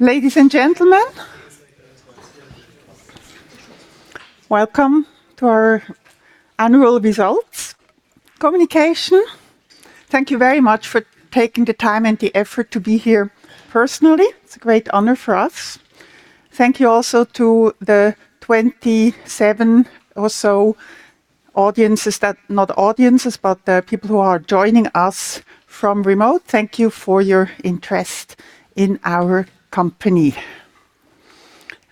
Ladies and gentlemen, welcome to our annual results communication. Thank you very much for taking the time and the effort to be here personally. It's a great honor for us. Thank you also to the 27 or so audiences. Not audiences, but the people who are joining us from remote. Thank you for your interest in our company.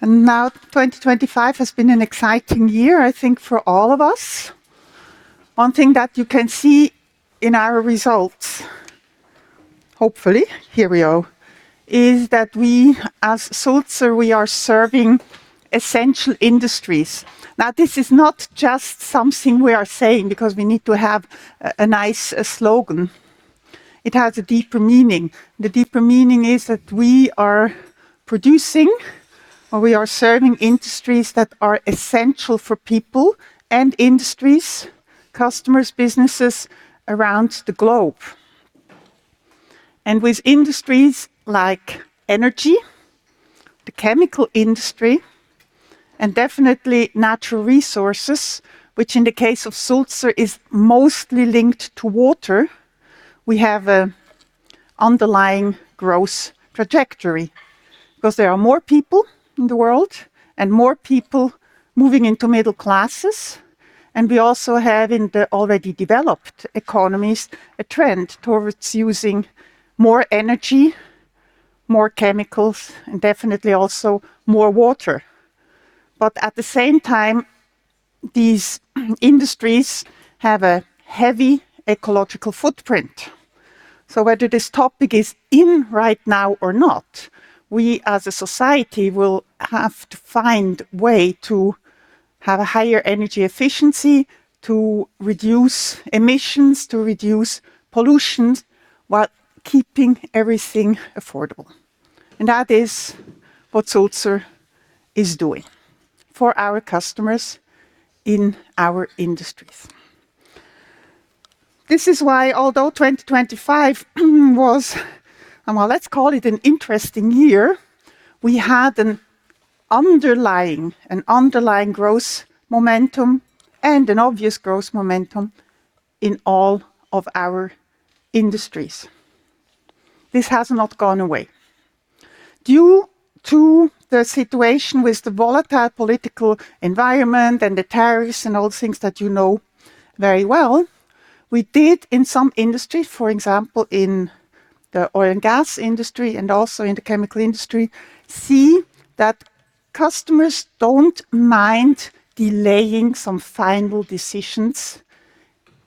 Now, 2025 has been an exciting year, I think, for all of us. One thing that you can see in our results, hopefully, here we go, is that we, as Sulzer, we are serving essential industries. Now, this is not just something we are saying because we need to have a nice slogan. It has a deeper meaning. The deeper meaning is that we are producing or we are serving industries that are essential for people and industries, customers, businesses around the globe. With industries like energy, the chemical industry, and definitely natural resources, which in the case of Sulzer, is mostly linked to water, we have a underlying growth trajectory. Because there are more people in the world and more people moving into middle classes, and we also have, in the already developed economies, a trend towards using more energy, more chemicals, and definitely also more water. At the same time, these industries have a heavy ecological footprint. Whether this topic is in right now or not, we, as a society, will have to find way to have a higher energy efficiency, to reduce emissions, to reduce pollutions, while keeping everything affordable. That is what Sulzer is doing for our customers in our industries. This is why, although 2025 was. Well, let's call it an interesting year, we had an underlying, an underlying growth momentum and an obvious growth momentum in all of our industries. This has not gone away. Due to the situation with the volatile political environment and the tariffs and all the things that you know very well, we did, in some industries, for example, in the oil and gas industry and also in the chemical industry, see that customers don't mind delaying some final decisions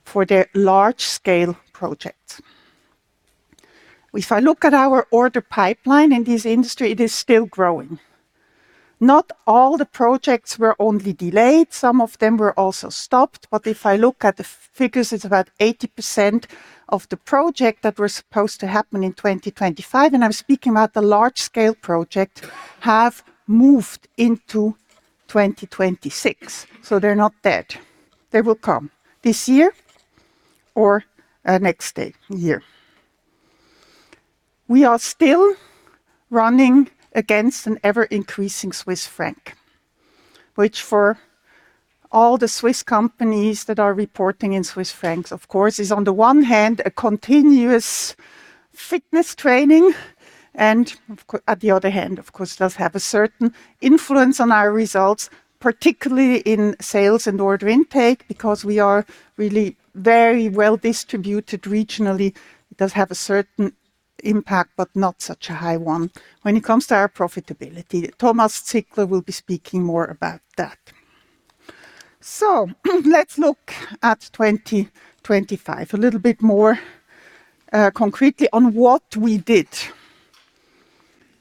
for their large-scale projects. If I look at our order pipeline in this industry, it is still growing. Not all the projects were only delayed, some of them were also stopped. If I look at the figures, it's about 80% of the project that were supposed to happen in 2025, and I'm speaking about the large-scale project, have moved into 2026. They're not dead. They will come this year or next year. We are still running against an ever-increasing Swiss franc, which for all the Swiss companies that are reporting in Swiss francs, of course, is, on the one hand, a continuous fitness training, and at the other hand, of course, does have a certain influence on our results, particularly in sales and order intake. Because we are really very well-distributed regionally, it does have a certain impact, but not such a high one when it comes to our profitability. Thomas Zickler will be speaking more about that. Let's look at 2025, a little bit more concretely on what we did.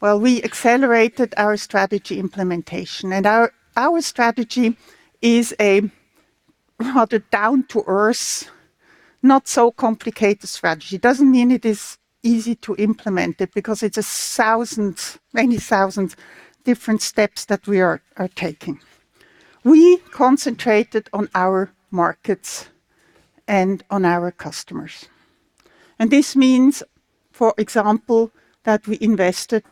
We accelerated our strategy implementation, and our strategy is a rather down-to-earth, not-so-complicated strategy. Doesn't mean it is easy to implement it, because it is thousands, many thousands different steps that we are taking. We concentrated on our markets and on our customers. This means, for example, that we invested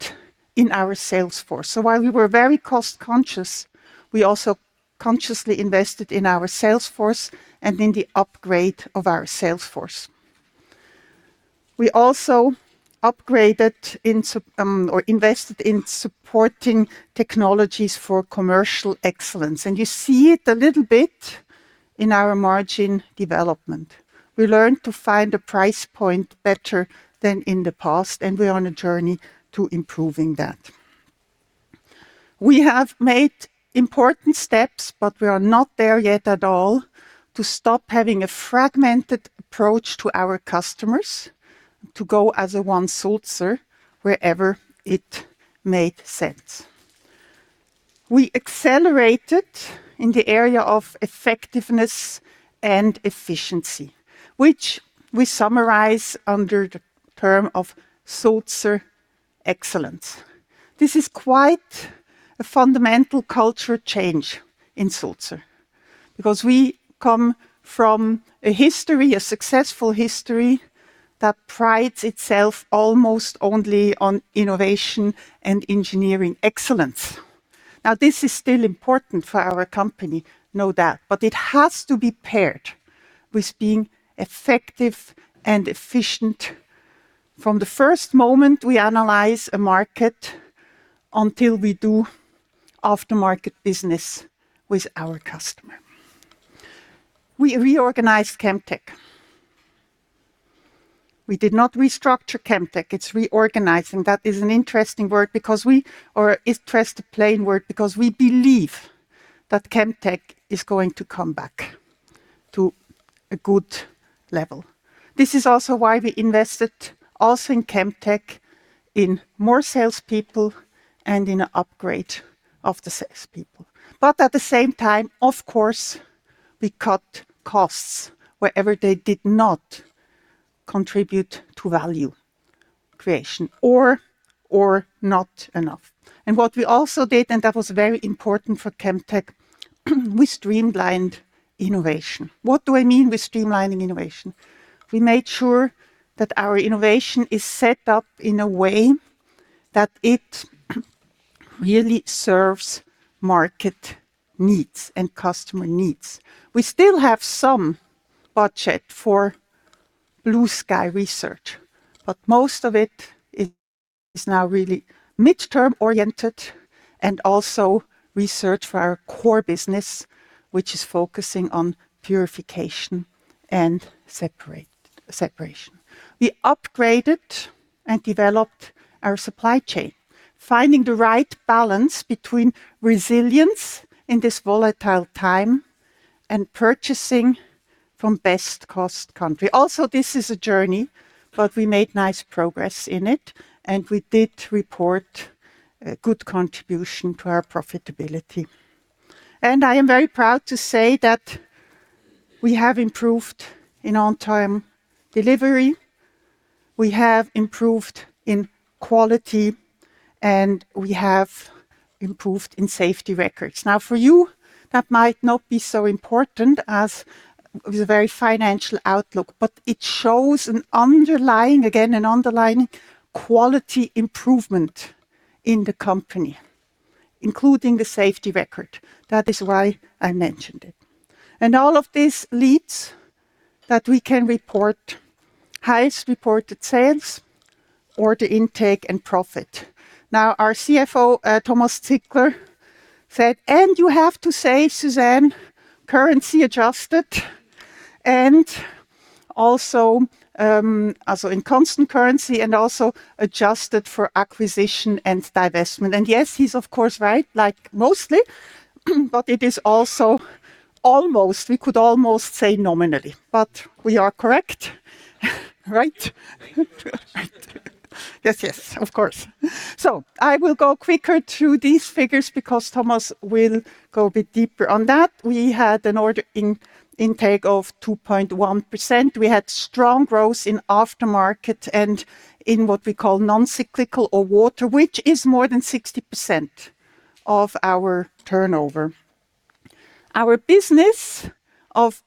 in our sales force. While we were very cost-conscious, we also consciously invested in our sales force and in the upgrade of our sales force. We also upgraded or invested in supporting technologies for Commercial Excellence. You see it a little bit in our margin development. We learned to find a price point better than in the past. We're on a journey to improving that. We have made important steps. We are not there yet at all, to stop having a fragmented approach to our customers, to go as a One Sulzer wherever it made sense. We accelerated in the area of effectiveness and efficiency, which we summarize under the term of Sulzer Excellence. This is quite a fundamental cultural change in Sulzer. Because we come from a history, a successful history, that prides itself almost only on innovation and engineering excellence. This is still important for our company, know that, but it has to be paired with being effective and efficient from the first moment we analyze a market, until we do aftermarket business with our customer. We reorganized Chemtech. We did not restructure Chemtech, it's reorganizing. That is an interesting word because we or it stressed a plain word, because we believe that Chemtech is going to come back to a good level. This is also why we invested also in Chemtech, in more salespeople, and in an upgrade of the salespeople. At the same time, of course, we cut costs wherever they did not contribute to value creation or not enough. What we also did, and that was very important for Chemtech, we streamlined innovation. What do I mean we're streamlining innovation? We made sure that our innovation is set up in a way that it really serves market needs and customer needs. We still have some budget for blue sky research, but most of it is now really midterm-oriented and also research for our core business, which is focusing on purification and separation. We upgraded and developed our supply chain, finding the right balance between resilience in this volatile time and purchasing from best cost country. This is a journey, but we made nice progress in it, and we did report a good contribution to our profitability. I am very proud to say that we have improved in on-time delivery, we have improved in quality, and we have improved in safety records. Now, for you, that might not be so important as with a very financial outlook, but it shows an underlying, again, an underlying quality improvement in the company, including the safety record. That is why I mentioned it. All of this leads that we can report highest reported sales or the order intake and profit. Now, our CFO, Thomas Zickler, said, "You have to say, Suzanne, currency adjusted, and also in constant currency, and also adjusted for acquisition and divestment." Yes, he's of course, right, like, mostly, but it is also almost we could almost say nominally, but we are correct. Right? Yes, yes, of course. I will go quicker through these figures because Thomas will go a bit deeper on that. We had an order in intake of 2.1%. We had strong growth in aftermarket and in what we call non-cyclical or water, which is more than 60% of our turnover. Our business of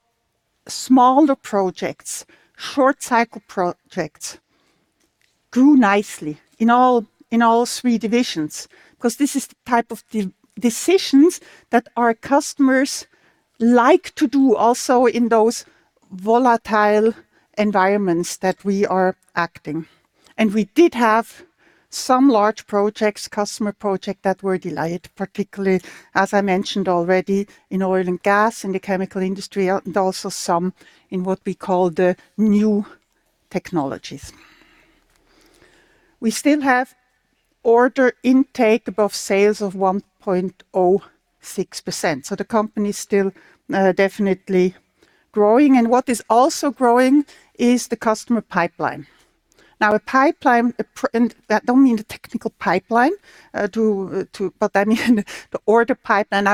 smaller projects, short cycle projects, grew nicely in all three divisions, because this is the type of decisions that our customers like to do also in those volatile environments that we are acting. We did have some large projects, customer project, that were delayed, particularly, as I mentioned already, in oil and gas, in the chemical industry, and also some in what we call the new technologies. We still have order intake above sales of 1.06%, the company is still definitely growing. What is also growing is the customer pipeline. Now, a pipeline, and I don't mean the technical pipeline, but I mean the order pipeline.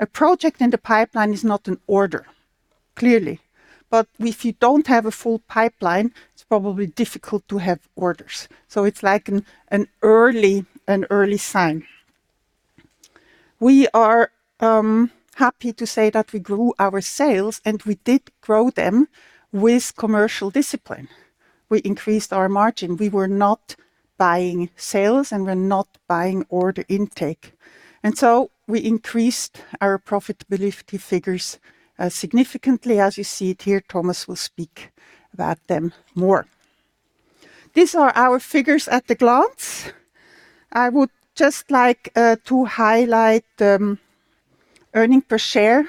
A project in the pipeline is not an order, clearly, but if you don't have a full pipeline, it's probably difficult to have orders. It's like an early sign. We are happy to say that we grew our sales. We did grow them with commercial discipline. We increased our margin. We were not buying sales. We're not buying order intake. We increased our profitability figures significantly. As you see it here, Thomas will speak about them more. These are our figures at a glance. I would just like to highlight earning per share,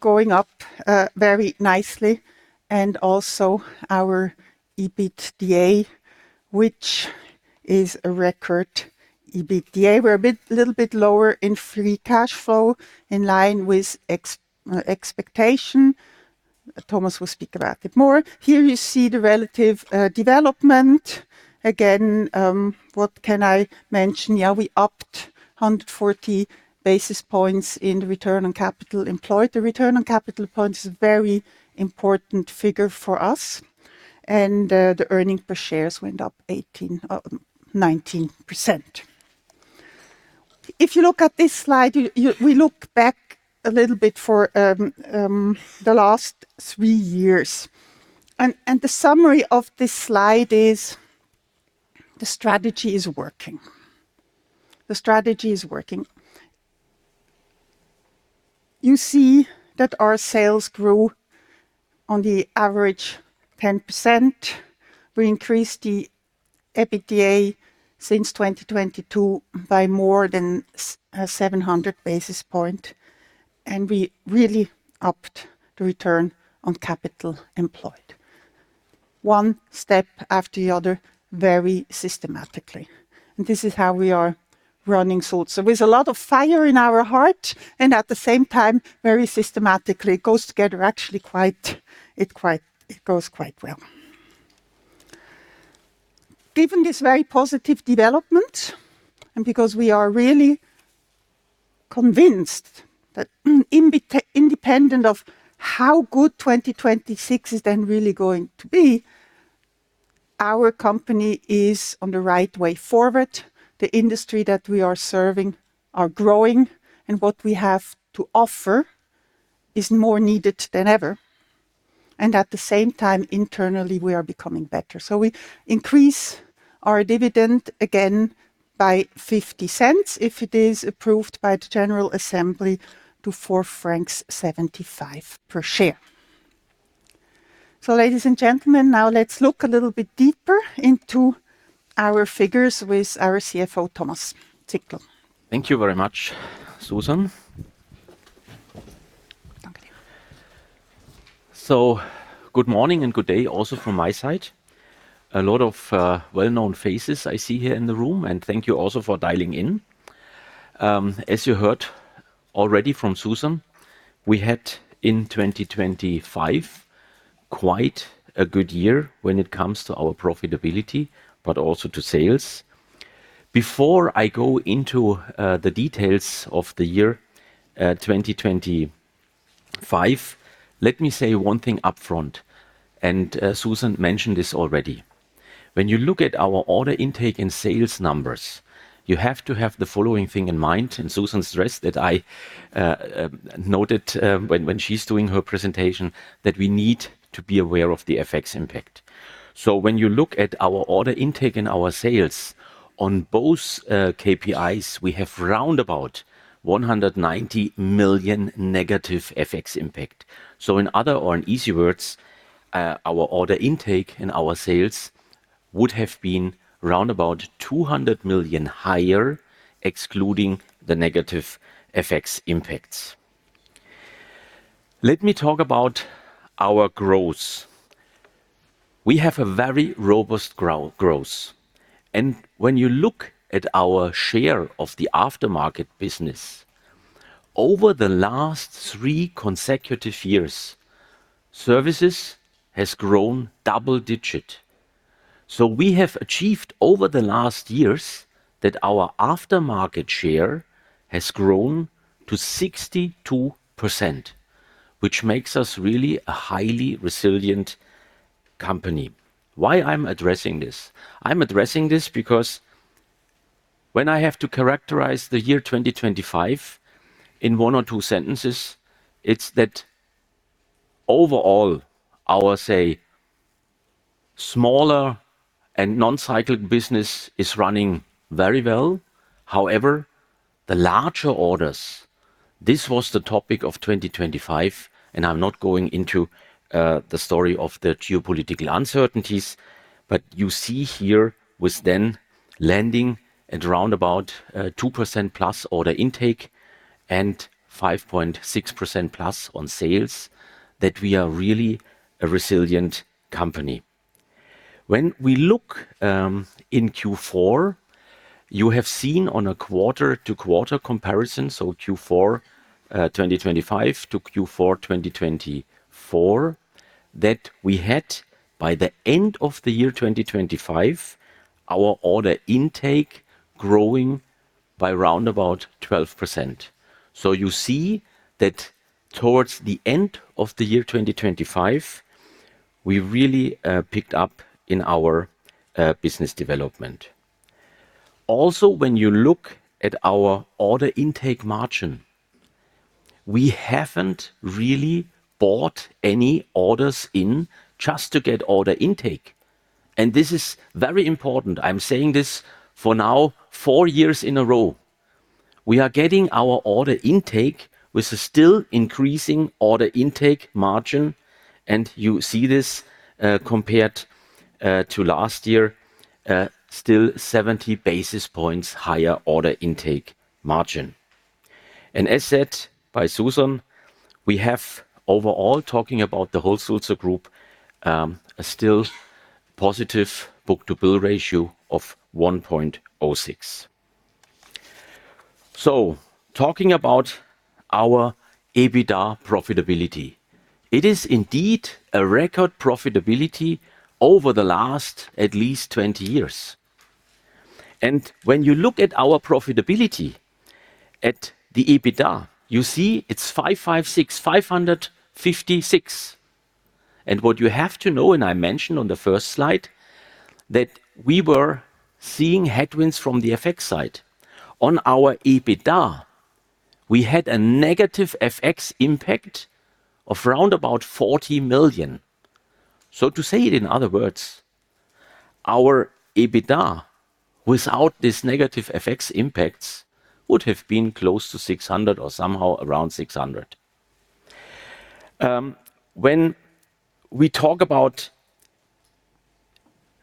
going up very nicely, and also our EBITDA, which is a record EBITDA. We're a bit, little bit lower in free cash flow, in line with expectation. Thomas will speak about it more. Here you see the relative development. Again, what can I mention? Yeah, we upped 140 basis points in the return on capital employed. The return on capital point is a very important figure for us, and the earning per shares went up 18%, 19%. If you look at this slide, you, we look back a little bit for the last three years. The summary of this slide is: the strategy is working. The strategy is working. You see that our sales grew on the average 10%. We increased the EBITDA since 2022 by more than 700 basis points, and we really upped the return on capital employed. One step after the other, very systematically, and this is how we are running Sulzer. With a lot of fire in our heart, and at the same time, very systematically. It goes together actually quite well. Given this very positive development, and because we are really convinced that, independent of how good 2026 is then really going to be Our company is on the right way forward. The industry that we are serving are growing, and what we have to offer is more needed than ever, and at the same time, internally, we are becoming better. We increase our dividend again by 0.50, if it is approved by the general assembly, to 4.75 francs per share. Ladies and gentlemen, now let's look a little bit deeper into our figures with our CFO, Thomas Zickler. Thank you very much, Suzanne. Good morning and good day also from my side. A lot of well-known faces I see here in the room, and thank you also for dialing in. As you heard already from Suzanne, we had, in 2025, quite a good year when it comes to our profitability, but also to sales. Before I go into the details of the year 2025, let me say one thing upfront, and Suzanne mentioned this already. When you look at our order intake and sales numbers, you have to have the following thing in mind, and Suzanne stressed that I noted when she's doing her presentation, that we need to be aware of the FX impact. When you look at our order intake and our sales, on both KPIs, we have round about 190 million negative FX impact. In other or in easy words, our order intake and our sales would have been round about 200 million higher, excluding the negative FX impacts. Let me talk about our growth. We have a very robust growth, and when you look at our share of the aftermarket business, over the last three consecutive years, Services has grown double digit. We have achieved over the last years, that our aftermarket share has grown to 62%, which makes us really a highly resilient company. Why I'm addressing this? I'm addressing this because when I have to characterize the year 2025 in one or two sentences, it's that overall, our, say, smaller and non-cycled business is running very well. The larger orders, this was the topic of 2025, and I'm not going into the story of the geopolitical uncertainties, but you see here with then landing at around about 2% plus order intake and 5.6% plus on sales, that we are really a resilient company. When we look in Q4, you have seen on a quarter-to-quarter comparison, so Q4 2025 to Q4 2024, that we had, by the end of the year 2025, our order intake growing by around about 12%. You see that towards the end of the year 2025, we really picked up in our business development. When you look at our order intake margin, we haven't really bought any orders in just to get order intake. This is very important. I'm saying this for now, four years in a row. We are getting our order intake with a still increasing order intake margin, you see this compared to last year, still 70 basis points higher order intake margin. As said by Suzanne Thoma, we have overall, talking about the whole Sulzer Group, a still positive book-to-bill ratio of 1.06. Talking about our EBITDA profitability, it is indeed a record profitability over the last at least 20 years. When you look at our profitability at the EBITDA, you see it's 556. What you have to know, I mentioned on the first slide, that we were seeing headwinds from the FX side. On our EBITDA, we had a negative FX impact of round about 40 million. To say it in other words, our EBITDA, without this negative FX impacts, would have been close to 600 or somehow around 600. When we talk about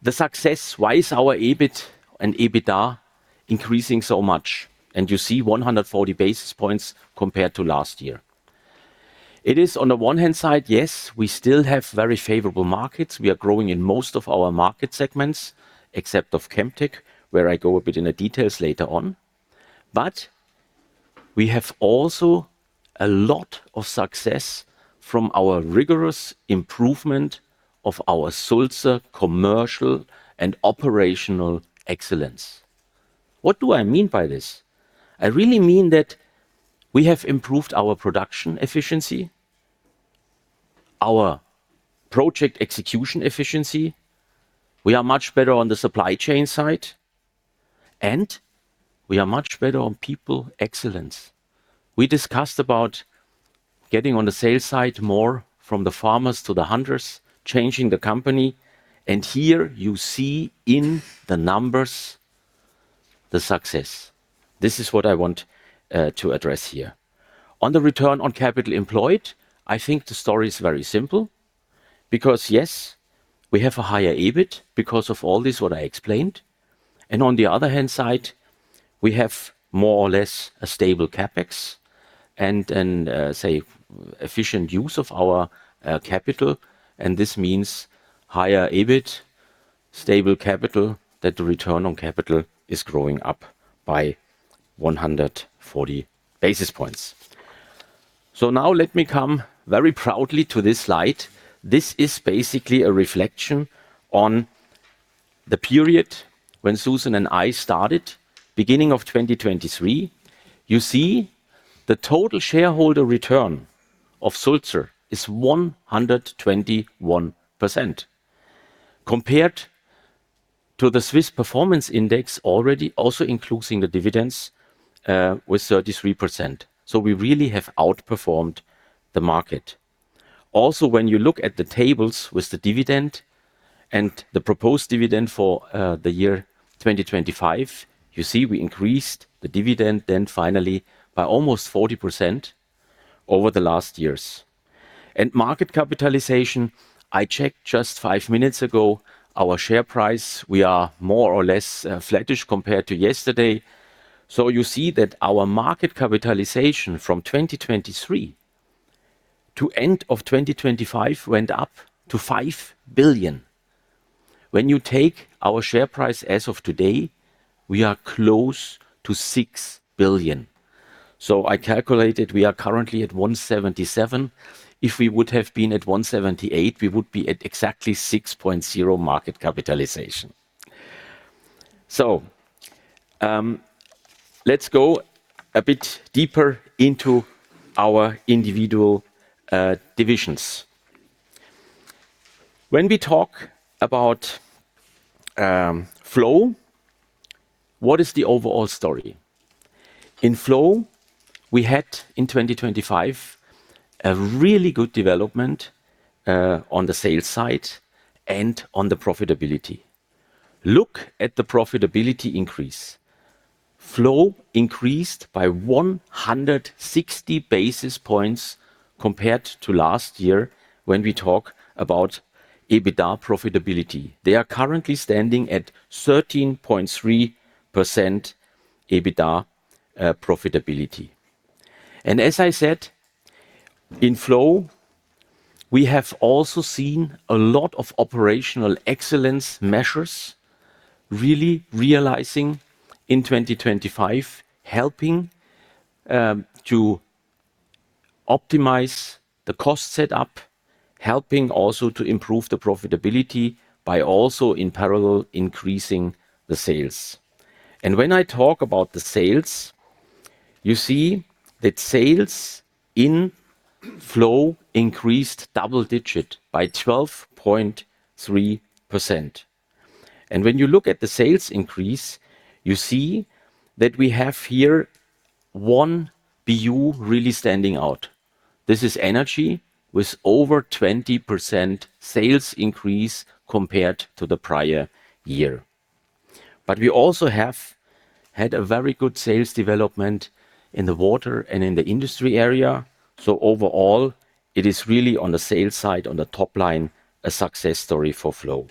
the success, why is our EBIT and EBITDA increasing so much? You see 140 basis points compared to last year. It is on the one-hand side, yes, we still have very favorable markets. We are growing in most of our market segments, except of Chemtech, where I go a bit into details later on. We have also a lot of success from our rigorous improvement of our Sulzer Commercial and Operational Excellence. What do I mean by this? I really mean that we have improved our production efficiency, our project execution efficiency. We are much better on the supply chain side, and we are much better on People Excellence. We discussed about getting on the sales side more from the farmers to the hunters, changing the company, and here you see in the numbers, the success. This is what I want to address here. On the return on capital employed, I think the story is very simple. Because, yes, we have a higher EBIT because of all this, what I explained, and on the other hand side, we have more or less a stable CapEx and efficient use of our capital. This means higher EBIT, stable capital, that the return on capital is growing up by 140 basis points. Now let me come very proudly to this slide. This is basically a reflection on the period when Suzanne and I started, beginning of 2023. You see, the total shareholder return of Sulzer is 121%. Compared to the Swiss Performance Index already, also including the dividends, with 33%. We really have outperformed the market. When you look at the tables with the dividend and the proposed dividend for the year 2025, you see we increased the dividend then finally by almost 40% over the last years. Market capitalization, I checked just 5 minutes ago, our share price, we are more or less flattish compared to yesterday. You see that our market capitalization from 2023 to end of 2025 went up to 5 billion. When you take our share price as of today, we are close to 6 billion. I calculated we are currently at 177. If we would have been at 178, we would be at exactly 6.0 market capitalization. Let's go a bit deeper into our individual divisions. When we talk about Flow, what is the overall story? In Flow, we had, in 2025, a really good development on the sales side and on the profitability. Look at the profitability increase. Flow increased by 160 basis points compared to last year when we talk about EBITDA profitability. They are currently standing at 13.3% EBITDA profitability. As I said, in Flow, we have also seen a lot of Operational Excellence measures, really realizing in 2025, helping to optimize the cost set-up, helping also to improve the profitability by also, in parallel, increasing the sales. You see that sales in Flow increased double digit by 12.3%. When you look at the sales increase, you see that we have here one BU really standing out. This is energy, with over 20% sales increase compared to the prior year. We also have had a very good sales development in the water and in the industry area. Overall, it is really on the sales side, on the top line, a success story for Flow.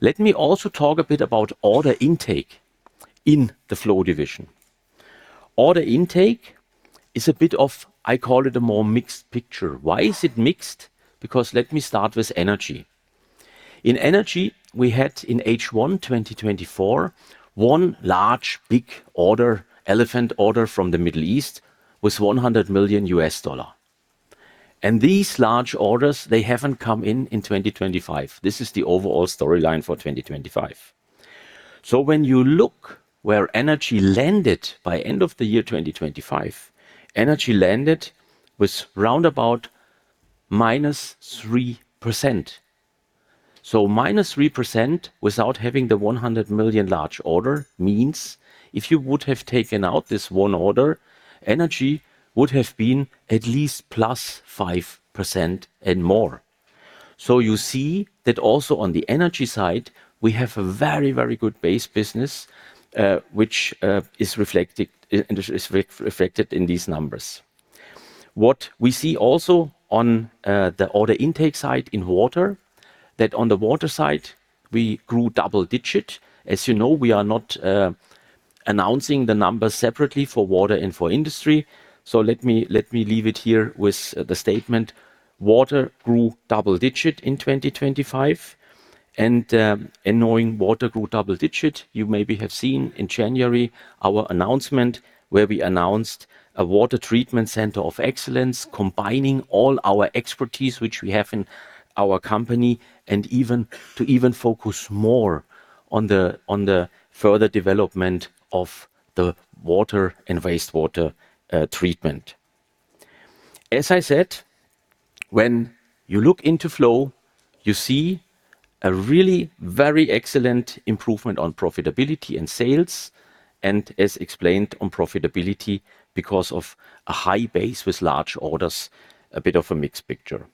Let me also talk a bit about order intake in the Flow division. Order intake is a bit of, I call it, a more mixed picture. Why is it mixed? Let me start with energy. In energy, we had in H1 2024, one large, big order, elephant order from the Middle East with $100 million. These large orders, they haven't come in in 2025. This is the overall storyline for 2025. When you look where Energy landed by end of the year 2025, Energy landed with around -3%. -3% without having the $100 million large order means if you would have taken out this one order, Energy would have been at least +5% and more. You see that also on the Energy side, we have a very, very good base business, which is reflected in these numbers. What we see also on the order intake side in Water, that on the Water side, we grew double-digit. As you know, we are not announcing the numbers separately for Water and for Industry. Let me leave it here with the statement: Water grew double-digit in 2025. Knowing Water grew double-digit, you maybe have seen in January our announcement, where we announced a Water Treatment Center of Excellence, combining all our expertise, which we have in our company, and even to focus more on the further development of the water and wastewater treatment. As I said, when you look into Flow, you see a really very excellent improvement on profitability and sales. As explained on profitability, because of a high base with large orders, a bit of a mixed picture.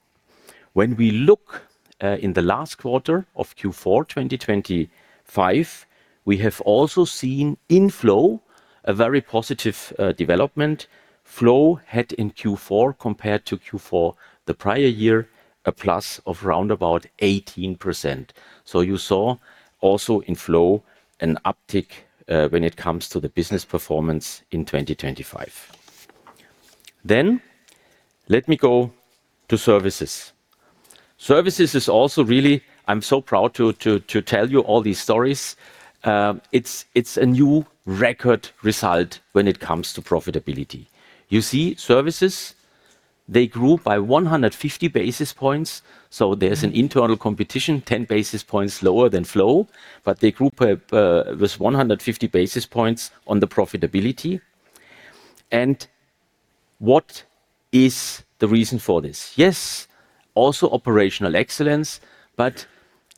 When we look in the last quarter of Q4 2025, we have also seen in Flow, a very positive development. Flow had in Q4, compared to Q4 the prior year, a plus of round about 18%. You saw also in Flow an uptick when it comes to the business performance in 2025. Let me go to Services. Services is also I'm so proud to tell you all these stories. It's a new record result when it comes to profitability. You see, Services, they grew by 150 basis points, there's an internal competition, 10 basis points lower than Flow, they grew by with 150 basis points on the profitability. What is the reason for this? Yes, also Operational Excellence,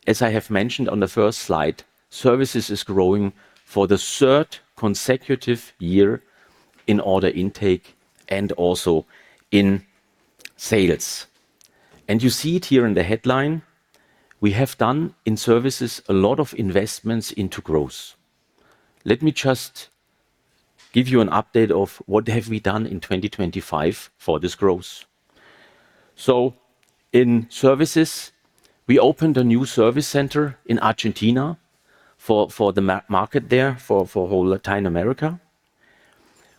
as I have mentioned on the first slide, Services is growing for the third consecutive year in order intake and also in sales. You see it here in the headline, we have done in Services, a lot of investments into growth. Let me just give you an update of what have we done in 2025 for this growth. In Services, we opened a new service center in Argentina for the market there, for whole Latin America.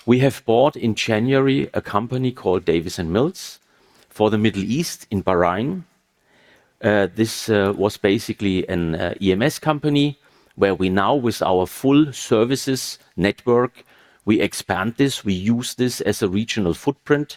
We have bought in January a company called Davis & Mills for the Middle East in Bahrain. This was basically an EMS company, where we now, with our full Services network, we expand this. We use this as a regional footprint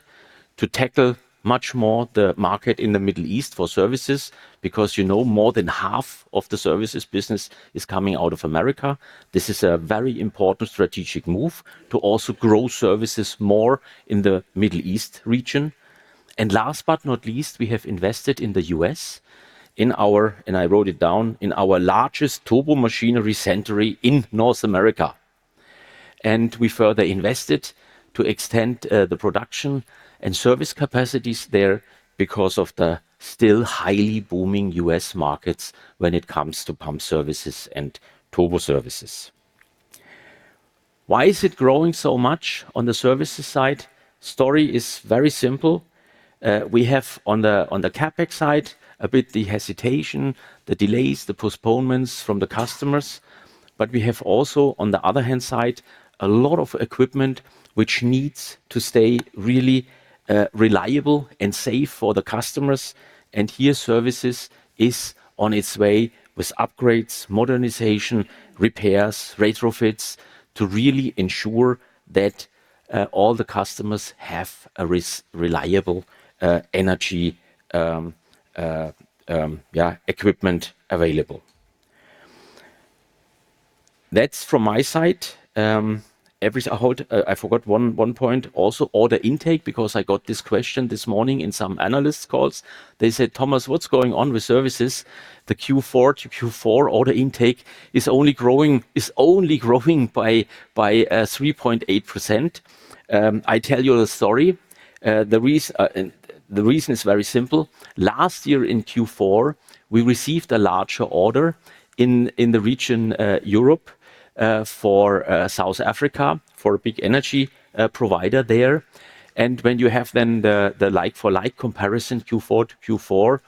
to tackle much more the market in the Middle East for Services, because, you know, more than half of the services business is coming out of America. This is a very important strategic move to also grow services more in the Middle East region. Last but not least, we have invested in the U.S. in our, and I wrote it down, in our largest turbomachinery service in North America. We further invested to extend the production and service capacities there because of the still highly booming U.S. markets when it comes to pump services and turbo services. Why is it growing so much on the services side? Story is very simple. We have on the CapEx side, a bit the hesitation, the delays, the postponements from the customers, but we have also, on the other hand side, a lot of equipment which needs to stay really reliable and safe for the customers. Here, Services is on its way with upgrades, modernization, repairs, retrofits, to really ensure that all the customers have a reliable energy equipment available. That's from my side. I forgot one point. Order intake, because I got this question this morning in some analyst calls. They said, "Thomas, what's going on with Services? The Q4 to Q4 order intake is only growing by 3.8%." I tell you the story. The reason is very simple. Last year in Q4, we received a larger order in the region, Europe, for South Africa, for a big energy provider there. When you have then the like-for-like comparison, Q4 to Q4,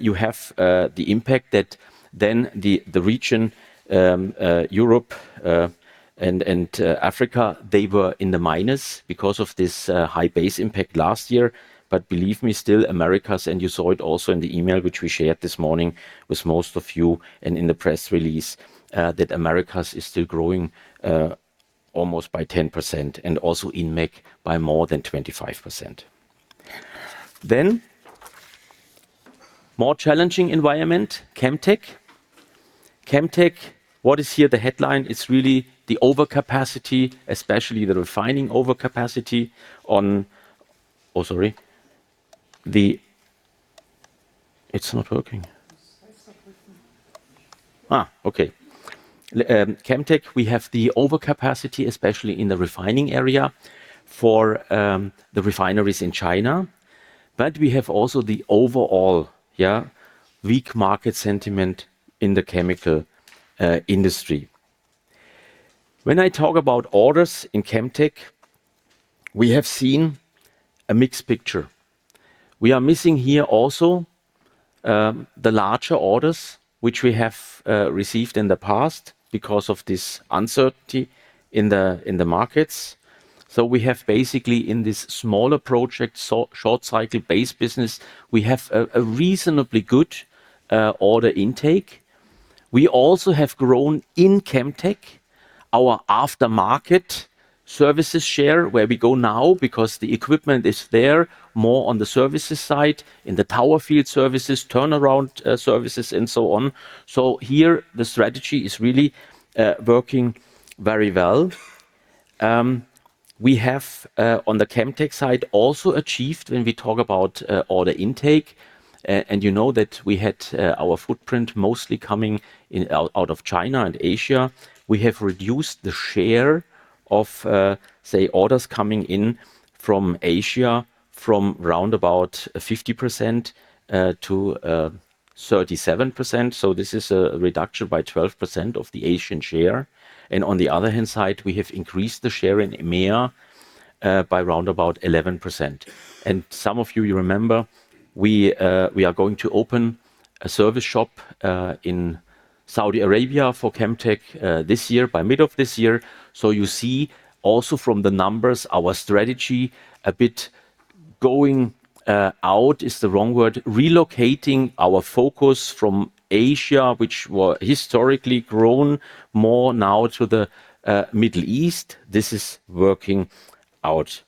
you have the impact that then the region, Europe, and Africa, they were in the minus because of this high base impact last year. Believe me, still, Americas, and you saw it also in the email, which we shared this morning with most of you and in the press release, that Americas is still growing almost by 10%, and also in MEC by more than 25%. More challenging environment, Chemtech. Chemtech, what is here the headline is really the overcapacity, especially the refining overcapacity. Chemtech, we have the overcapacity, especially in the refining area, for the refineries in China, but we have also the overall weak market sentiment in the chemical industry. When I talk about orders in Chemtech, we have seen a mixed picture. We are missing here also the larger orders which we have received in the past because of this uncertainty in the markets. We have basically, in this smaller project, short-cycle-based business, we have a reasonably good order intake. We also have grown in Chemtech, our aftermarket services share, where we go now because the equipment is there, more on the services side, in the power field services, turnaround services, and so on. Here, the strategy is really working very well. We have on the Chemtech side, also achieved when we talk about order intake, and you know that we had our footprint mostly coming out of China and Asia. We have reduced the share of, say, orders coming in from Asia, from round about 50% to 37%. This is a reduction by 12% of the Asian share. On the other hand side, we have increased the share in EMEA by round about 11%. Some of you remember, we are going to open a service shop in Saudi Arabia for Chemtech this year, by mid of this year. You see also from the numbers, our strategy a bit going out, is the wrong word, relocating our focus from Asia, which were historically grown more now to the Middle East. This is working out.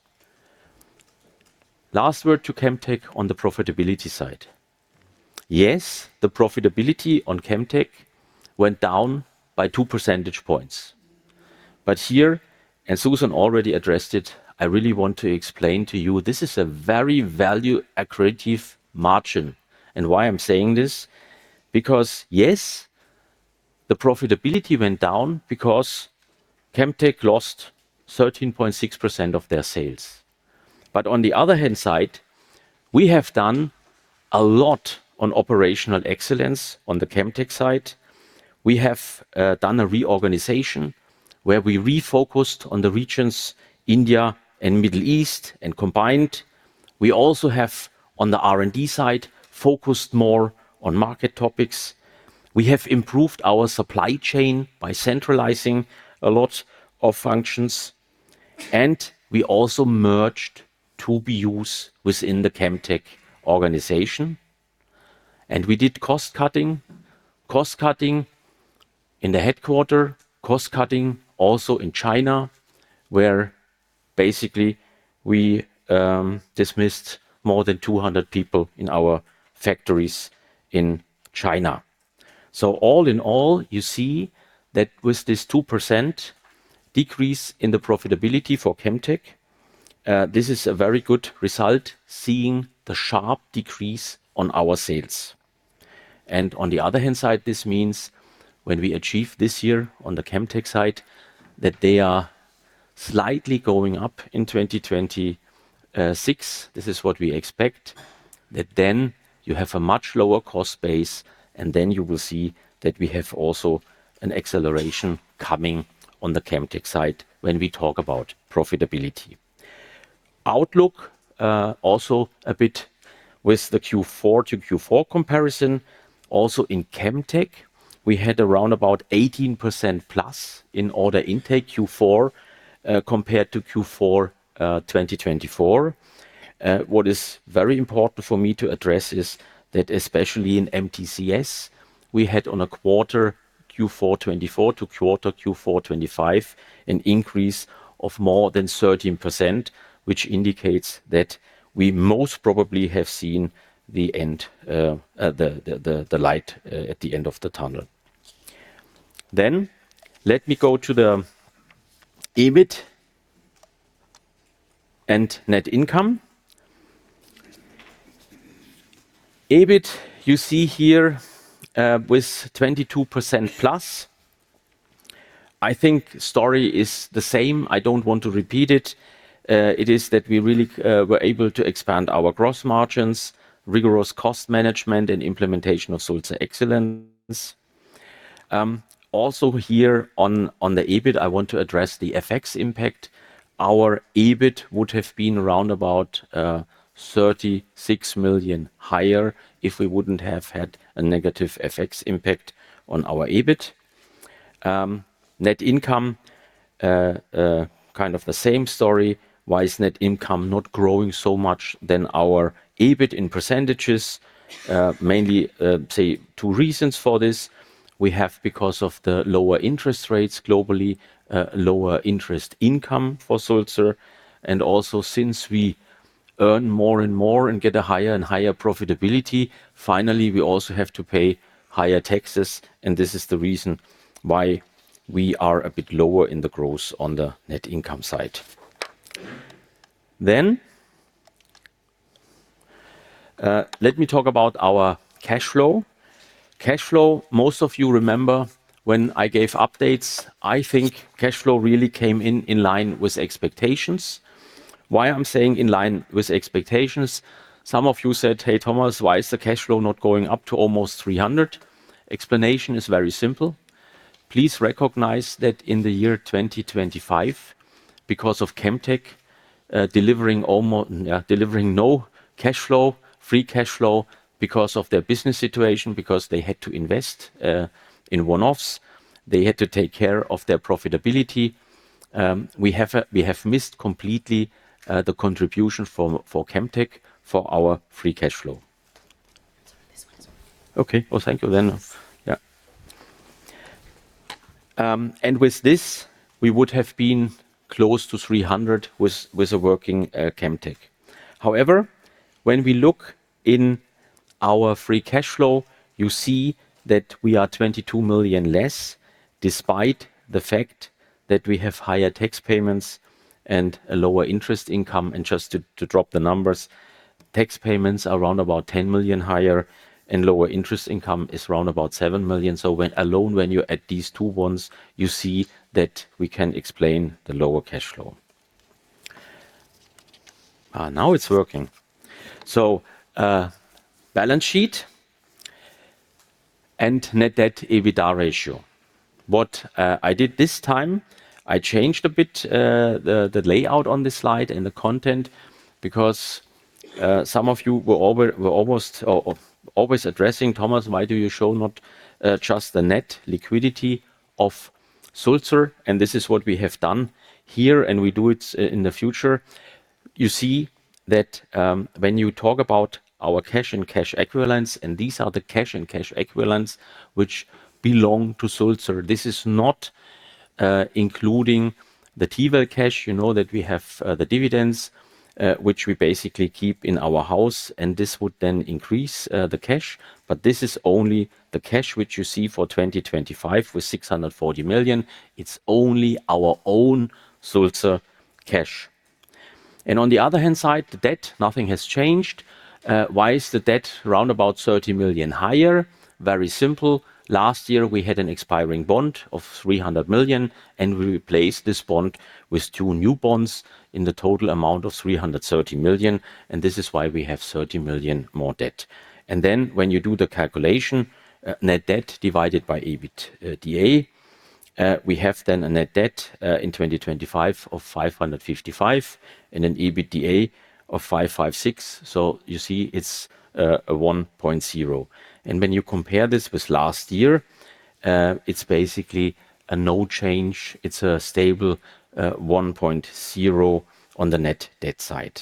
Last word to Chemtech on the profitability side. Yes, the profitability on Chemtech went down by two percentage points. Here, and Suzanne already addressed it, I really want to explain to you, this is a very value accretive margin. Why I'm saying this? Yes, the profitability went down because Chemtech lost 13.6% of their sales. On the other hand side, we have done a lot on Operational Excellence on the Chemtech side. We have done a reorganization, where we refocused on the regions India and Middle East and combined. We also have, on the R&D side, focused more on market topics. We have improved our supply chain by centralizing a lot of functions, and we also merged two BUs within the Chemtech organization. We did cost cutting. Cost cutting in the headquarter, cost cutting also in China, where basically we dismissed more than 200 people in our factories in China. All in all, you see that with this 2% decrease in the profitability for Chemtech, this is a very good result, seeing the sharp decrease on our sales. On the other hand side, this means when we achieve this year on the Chemtech side, that they are slightly going up in 2026. This is what we expect, that then you have a much lower cost base, and then you will see that we have also an acceleration coming on the Chemtech side when we talk about profitability. Outlook also a bit with the Q4 to Q4 comparison. In Chemtech, we had around about 18% plus in order intake Q4 compared to Q4 2024. What is very important for me to address is that, especially in MTCS, we had on a quarter Q4 2024 to quarter Q4 2025, an increase of more than 13%, which indicates that we most probably have seen the end, the light at the end of the tunnel. Let me go to the EBIT and net income. EBIT, you see here, with 22% plus. I think story is the same. I don't want to repeat it. It is that we really were able to expand our gross margins, rigorous cost management, and implementation of Sulzer Excellence. Also here on the EBIT, I want to address the FX impact. Our EBIT would have been around about 36 million higher if we wouldn't have had a negative FX impact on our EBIT. Net income, kind of the same story. Why is net income not growing so much than our EBIT in percentages? Mainly, say two reasons for this. We have, because of the lower interest rates globally, lower interest income for Sulzer. Also, since we earn more and more and get a higher and higher profitability, finally, we also have to pay higher taxes, and this is the reason why we are a bit lower in the growth on the net income side. Let me talk about our cash flow. Cash flow, most of you remember when I gave updates, I think cash flow really came in in line with expectations. Why I'm saying in line with expectations? Some of you said: "Hey, Thomas, why is the cash flow not going up to almost 300?" Explanation is very simple. Please recognize that in the year 2025, because of Chemtech delivering no cash flow, free cash flow because of their business situation, because they had to invest in one-offs, they had to take care of their profitability. We have missed completely, the contribution for Chemtech for our free cash flow. This one as well. Okay. Well, thank you then. Yes. Yeah. And with this, we would have been close to 300 with a working Chemtech. However, when we look in our free cash flow, you see that we are 22 million less, despite the fact that we have higher tax payments and a lower interest income. Just to drop the numbers, tax payments are around about 10 million higher, and lower interest income is around about 7 million. Alone, when you add these two ones, you see that we can explain the lower cash flow. Now it's working. Balance sheet and net debt EBITDA ratio. What I did this time, I changed a bit the layout on this slide and the content because some of you were almost or always addressing, "Thomas, why do you show not just the net liquidity of Sulzer?" This is what we have done here, and we do it in the future. You see that, when you talk about our cash and cash equivalents, and these are the cash and cash equivalents which belong to Sulzer. This is not including the Tiwel cash. You know that we have the dividends which we basically keep in our house, and this would then increase the cash. This is only the cash which you see for 2025 with 640 million. It's only our own Sulzer cash. On the other hand side, the debt, nothing has changed. Why is the debt around about 30 million higher? Very simple. Last year, we had an expiring bond of 300 million, and we replaced this bond with two new bonds in the total amount of 330 million, and this is why we have 30 million more debt. Then when you do the calculation, net debt divided by EBITDA, we have then a net debt in 2025 of 555 and an EBITDA of 556. You see it's a 1.0. When you compare this with last year, it's basically a no change. It's a stable 1.0 on the net debt side.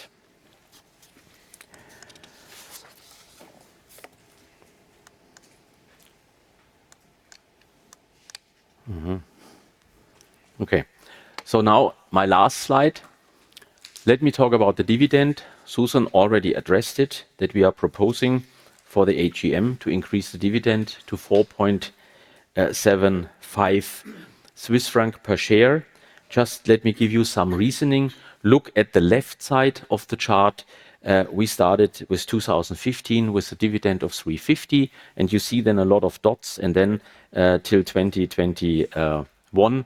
Now my last slide. Let me talk about the dividend. Suzanne already addressed it, that we are proposing for the AGM to increase the dividend to 4.75 Swiss franc per share. Just let me give you some reasoning. Look at the left side of the chart. We started with 2015, with a dividend of 3.50 CHF, and you see then a lot of dots, and then till 2021,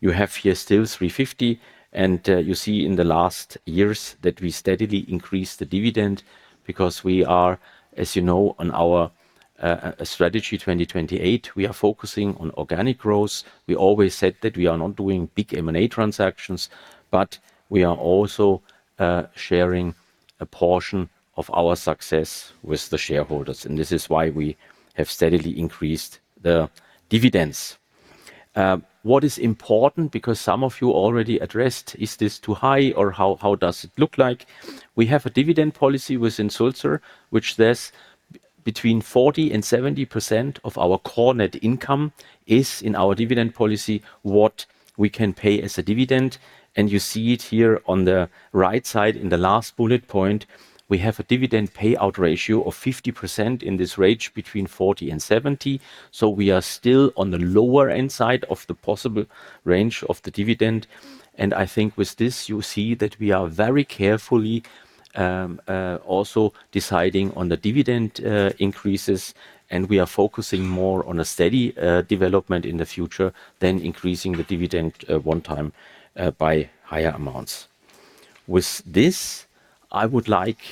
you have here still 3.50 CHF, and you see in the last years that we steadily increased the dividend because we are, as you know, on our Sulzer 2028, we are focusing on organic growth. We always said that we are not doing big M&A transactions, but we are also sharing a portion of our success with the shareholders, and this is why we have steadily increased the dividends. What is important, because some of you already addressed, is this too high or how does it look like? We have a dividend policy within Sulzer, which says between 40% and 70% of our core net income is in our dividend policy, what we can pay as a dividend. You see it here on the right side in the last bullet point, we have a dividend payout ratio of 50% in this range, between 40% and 70%. We are still on the lower end side of the possible range of the dividend, and I think with this, you see that we are very carefully, also deciding on the dividend increases, and we are focusing more on a steady development in the future than increasing the dividend one time by higher amounts. With this, I would like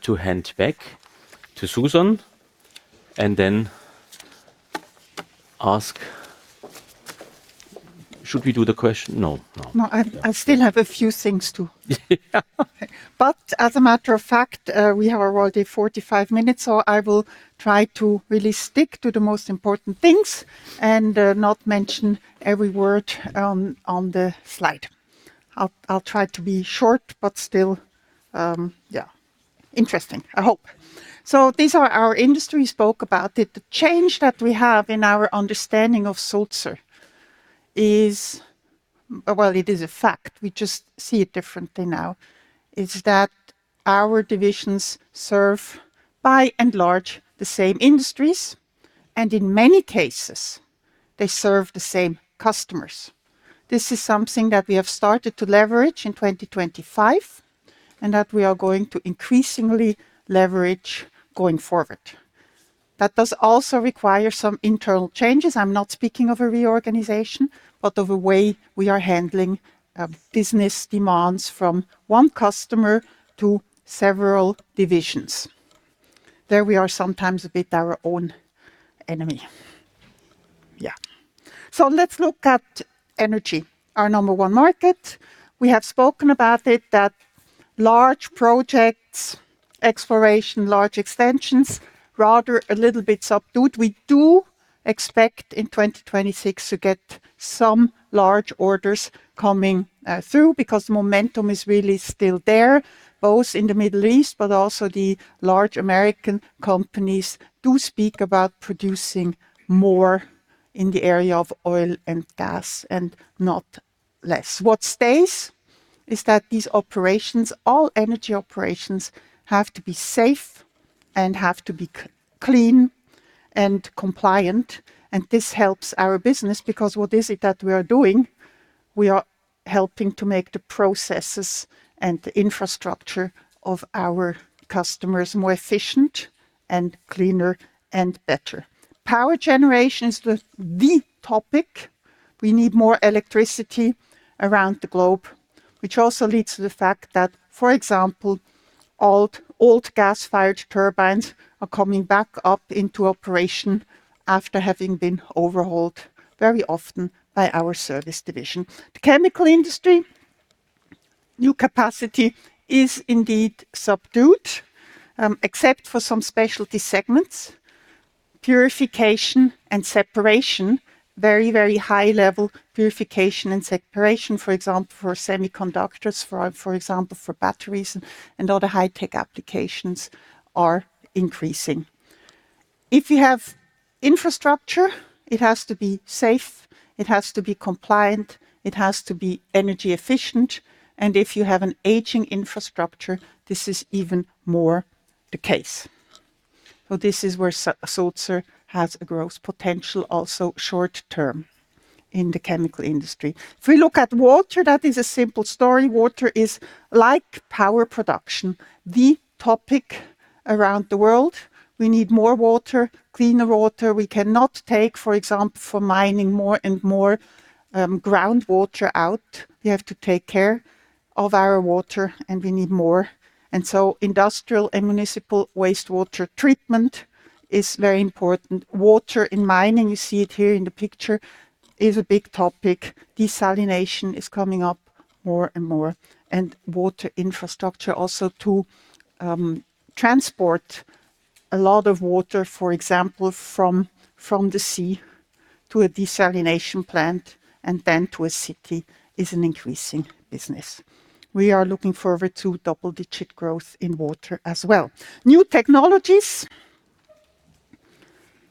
to hand back to Suzanne and then ask, no. I still have a few things, too. As a matter of fact, we have already 45 minutes, I will try to really stick to the most important things and not mention every word on the slide. I'll try to be short, but still interesting, I hope. These are our industry spoke about it. The change that we have in our understanding of Sulzer is, well, it is a fact, we just see it differently now. Is that our divisions serve, by and large, the same industries, and in many cases, they serve the same customers. This is something that we have started to leverage in 2025, and that we are going to increasingly leverage going forward. That does also require some internal changes. I'm not speaking of a reorganization, but of a way we are handling business demands from one customer to several divisions. There we are sometimes a bit our own enemy. Let's look at energy, our number one market. We have spoken about it, that large projects, exploration, large extensions, rather a little bit subdued. We do expect in 2026 to get some large orders coming through, because momentum is really still there, both in the Middle East, but also the large American companies do speak about producing more in the area of oil and gas, and not less. What stays is that these operations, all energy operations, have to be safe and have to be clean and compliant, and this helps our business, because what is it that we are doing? We are helping to make the processes and the infrastructure of our customers more efficient and cleaner and better. Power generation is the topic. We need more electricity around the globe, which also leads to the fact that, for example, old gas-fired turbines are coming back up into operation after having been overhauled very often by our Services division. The chemical industry, new capacity is indeed subdued, except for some specialty segments. Purification and separation, very high level purification and separation, for example, for semiconductors, for example, for batteries and other high-tech applications, are increasing. If you have infrastructure, it has to be safe, it has to be compliant, it has to be energy efficient, and if you have an aging infrastructure, this is even more the case. This is where Sulzer has a growth potential, also short term in the chemical industry. If we look at water, that is a simple story. Water is like power production, the topic around the world. We need more water, cleaner water. We cannot take, for example, for mining, more and more groundwater out. We have to take care of our water. We need more. Industrial and municipal wastewater treatment is very important. Water in mining, you see it here in the picture, is a big topic. Desalination is coming up more and more. Water infrastructure also to transport a lot of water, for example, from the sea to a desalination plant and then to a city, is an increasing business. We are looking forward to double-digit growth in water as well. New technologies,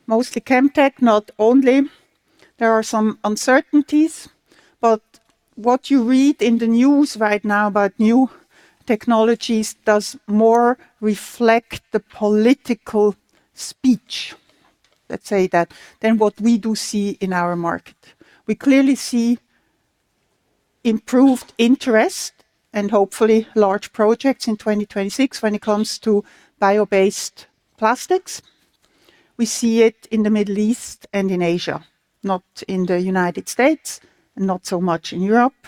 mostly Chemtech, not only. There are some uncertainties. What you read in the news right now about new technologies does more reflect the political speech, let's say that, than what we do see in our market. We clearly see improved interest and hopefully large projects in 2026 when it comes to bio-based plastics. We see it in the Middle East and in Asia, not in the United States, and not so much in Europe.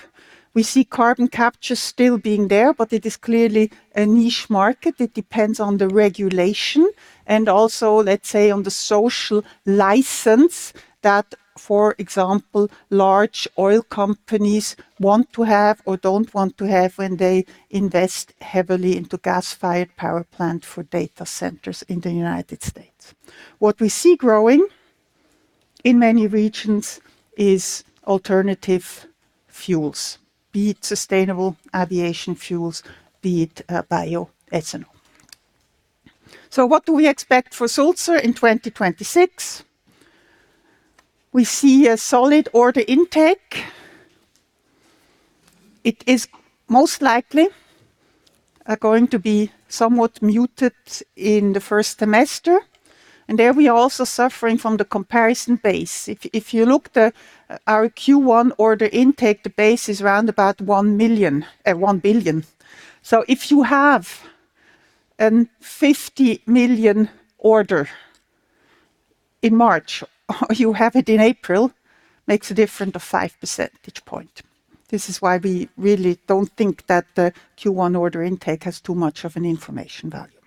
We see carbon capture still being there. It is clearly a niche market. It depends on the regulation and also, let's say, on the social license that, for example, large oil companies want to have or don't want to have when they invest heavily into gas-fired power plant for data centers in the United States. What we see growing in many regions is alternative fuels, be it sustainable aviation fuels, be it bioethanol. What do we expect for Sulzer in 2026? We see a solid order intake. It is most likely going to be somewhat muted in the first semester. There we are also suffering from the comparison base. If you look our Q1 order intake, the base is around about 1 billion. If you have an 50 million order in March, or you have it in April, makes a difference of 5 percentage point. This is why we really don't think that the Q1 order intake has too much of an information value.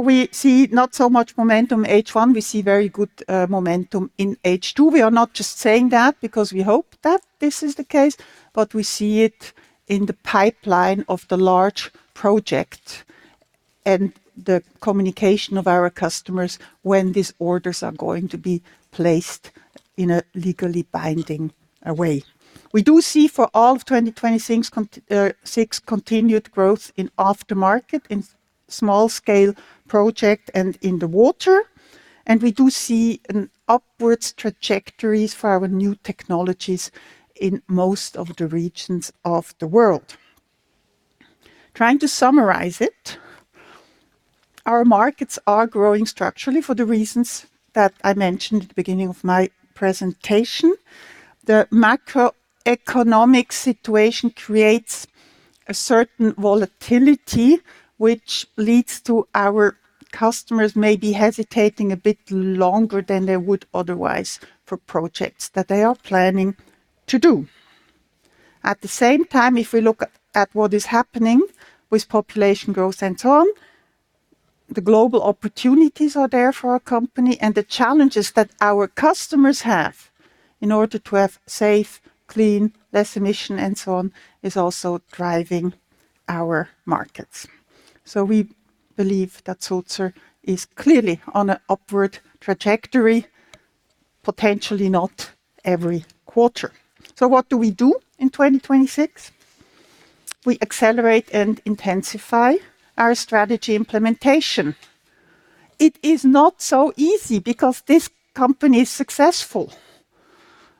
We see not so much momentum H1. We see very good momentum in H2. We are not just saying that because we hope that this is the case, but we see it in the pipeline of the large projects and the communication of our customers when these orders are going to be placed in a legally binding way. We do see for all of 2026 continued growth in aftermarket, in small-scale project and in the water. We do see an upwards trajectories for our new technologies in most of the regions of the world. Trying to summarize it, our markets are growing structurally for the reasons that I mentioned at the beginning of my presentation. The macroeconomic situation creates a certain volatility, which leads to our customers may be hesitating a bit longer than they would otherwise for projects that they are planning to do. At the same time, if we look at what is happening with population growth and so on, the global opportunities are there for our company. The challenges that our customers have in order to have safe, clean, less emission, and so on, is also driving our markets. We believe that Sulzer is clearly on an upward trajectory, potentially not every quarter. What do we do in 2026? We accelerate and intensify our strategy implementation. It is not so easy because this company is successful,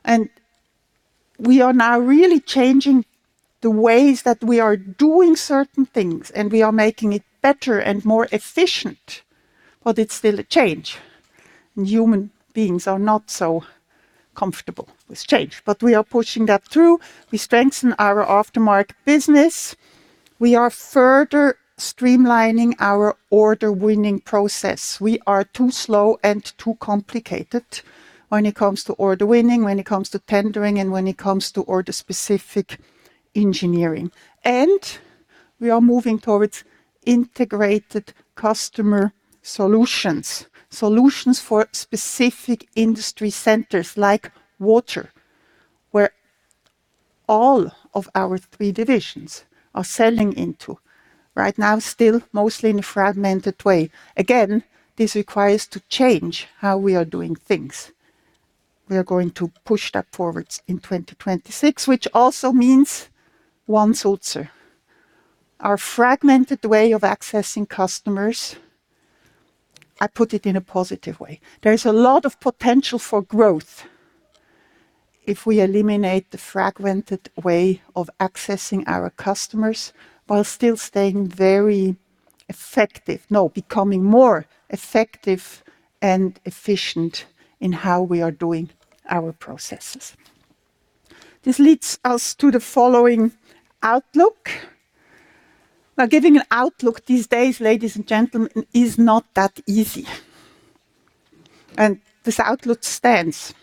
and we are now really changing the ways that we are doing certain things, and we are making it better and more efficient, but it's still a change. Human beings are not so comfortable with change, but we are pushing that through. We strengthen our aftermarket business. We are further streamlining our order-winning process. We are too slow and too complicated when it comes to order winning, when it comes to tendering, and when it comes to order-specific engineering. We are moving towards integrated customer solutions. Solutions for specific industry centers like water, where all of our three divisions are selling into. Right now, still mostly in a fragmented way. Again, this requires to change how we are doing things. We are going to push that forwards in 2026, which also means One Sulzer. Our fragmented way of accessing customers, I put it in a positive way. There is a lot of potential for growth if we eliminate the fragmented way of accessing our customers, while still staying very effective. No, becoming more effective and efficient in how we are doing our processes. This leads us to the following outlook. Now, giving an outlook these days, ladies and gentlemen, is not that easy, and this outlook stands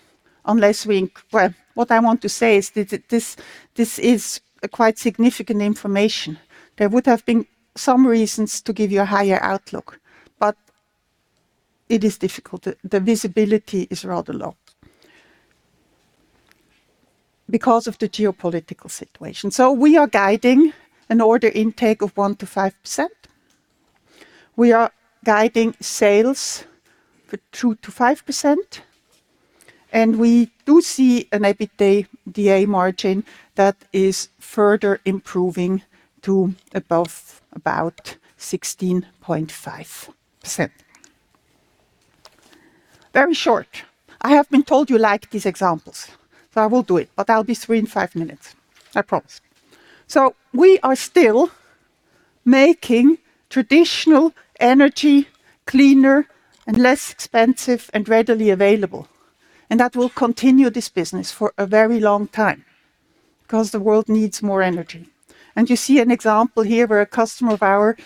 unless we Well, what I want to say is that this is a quite significant information. There would have been some reasons to give you a higher outlook, but it is difficult. The visibility is rather low because of the geopolitical situation. We are guiding an order intake of 1%-5%. We are guiding sales for 2%-5%, and we do see an EBITDA margin that is further improving to above about 16.5%. Very short. I have been told you like these examples, so I will do it, but I'll be through in five minutes. I promise. We are still making traditional energy cleaner and less expensive and readily available, and that will continue this business for a very long time, cause the world needs more energy. You see an example here where a customer of ours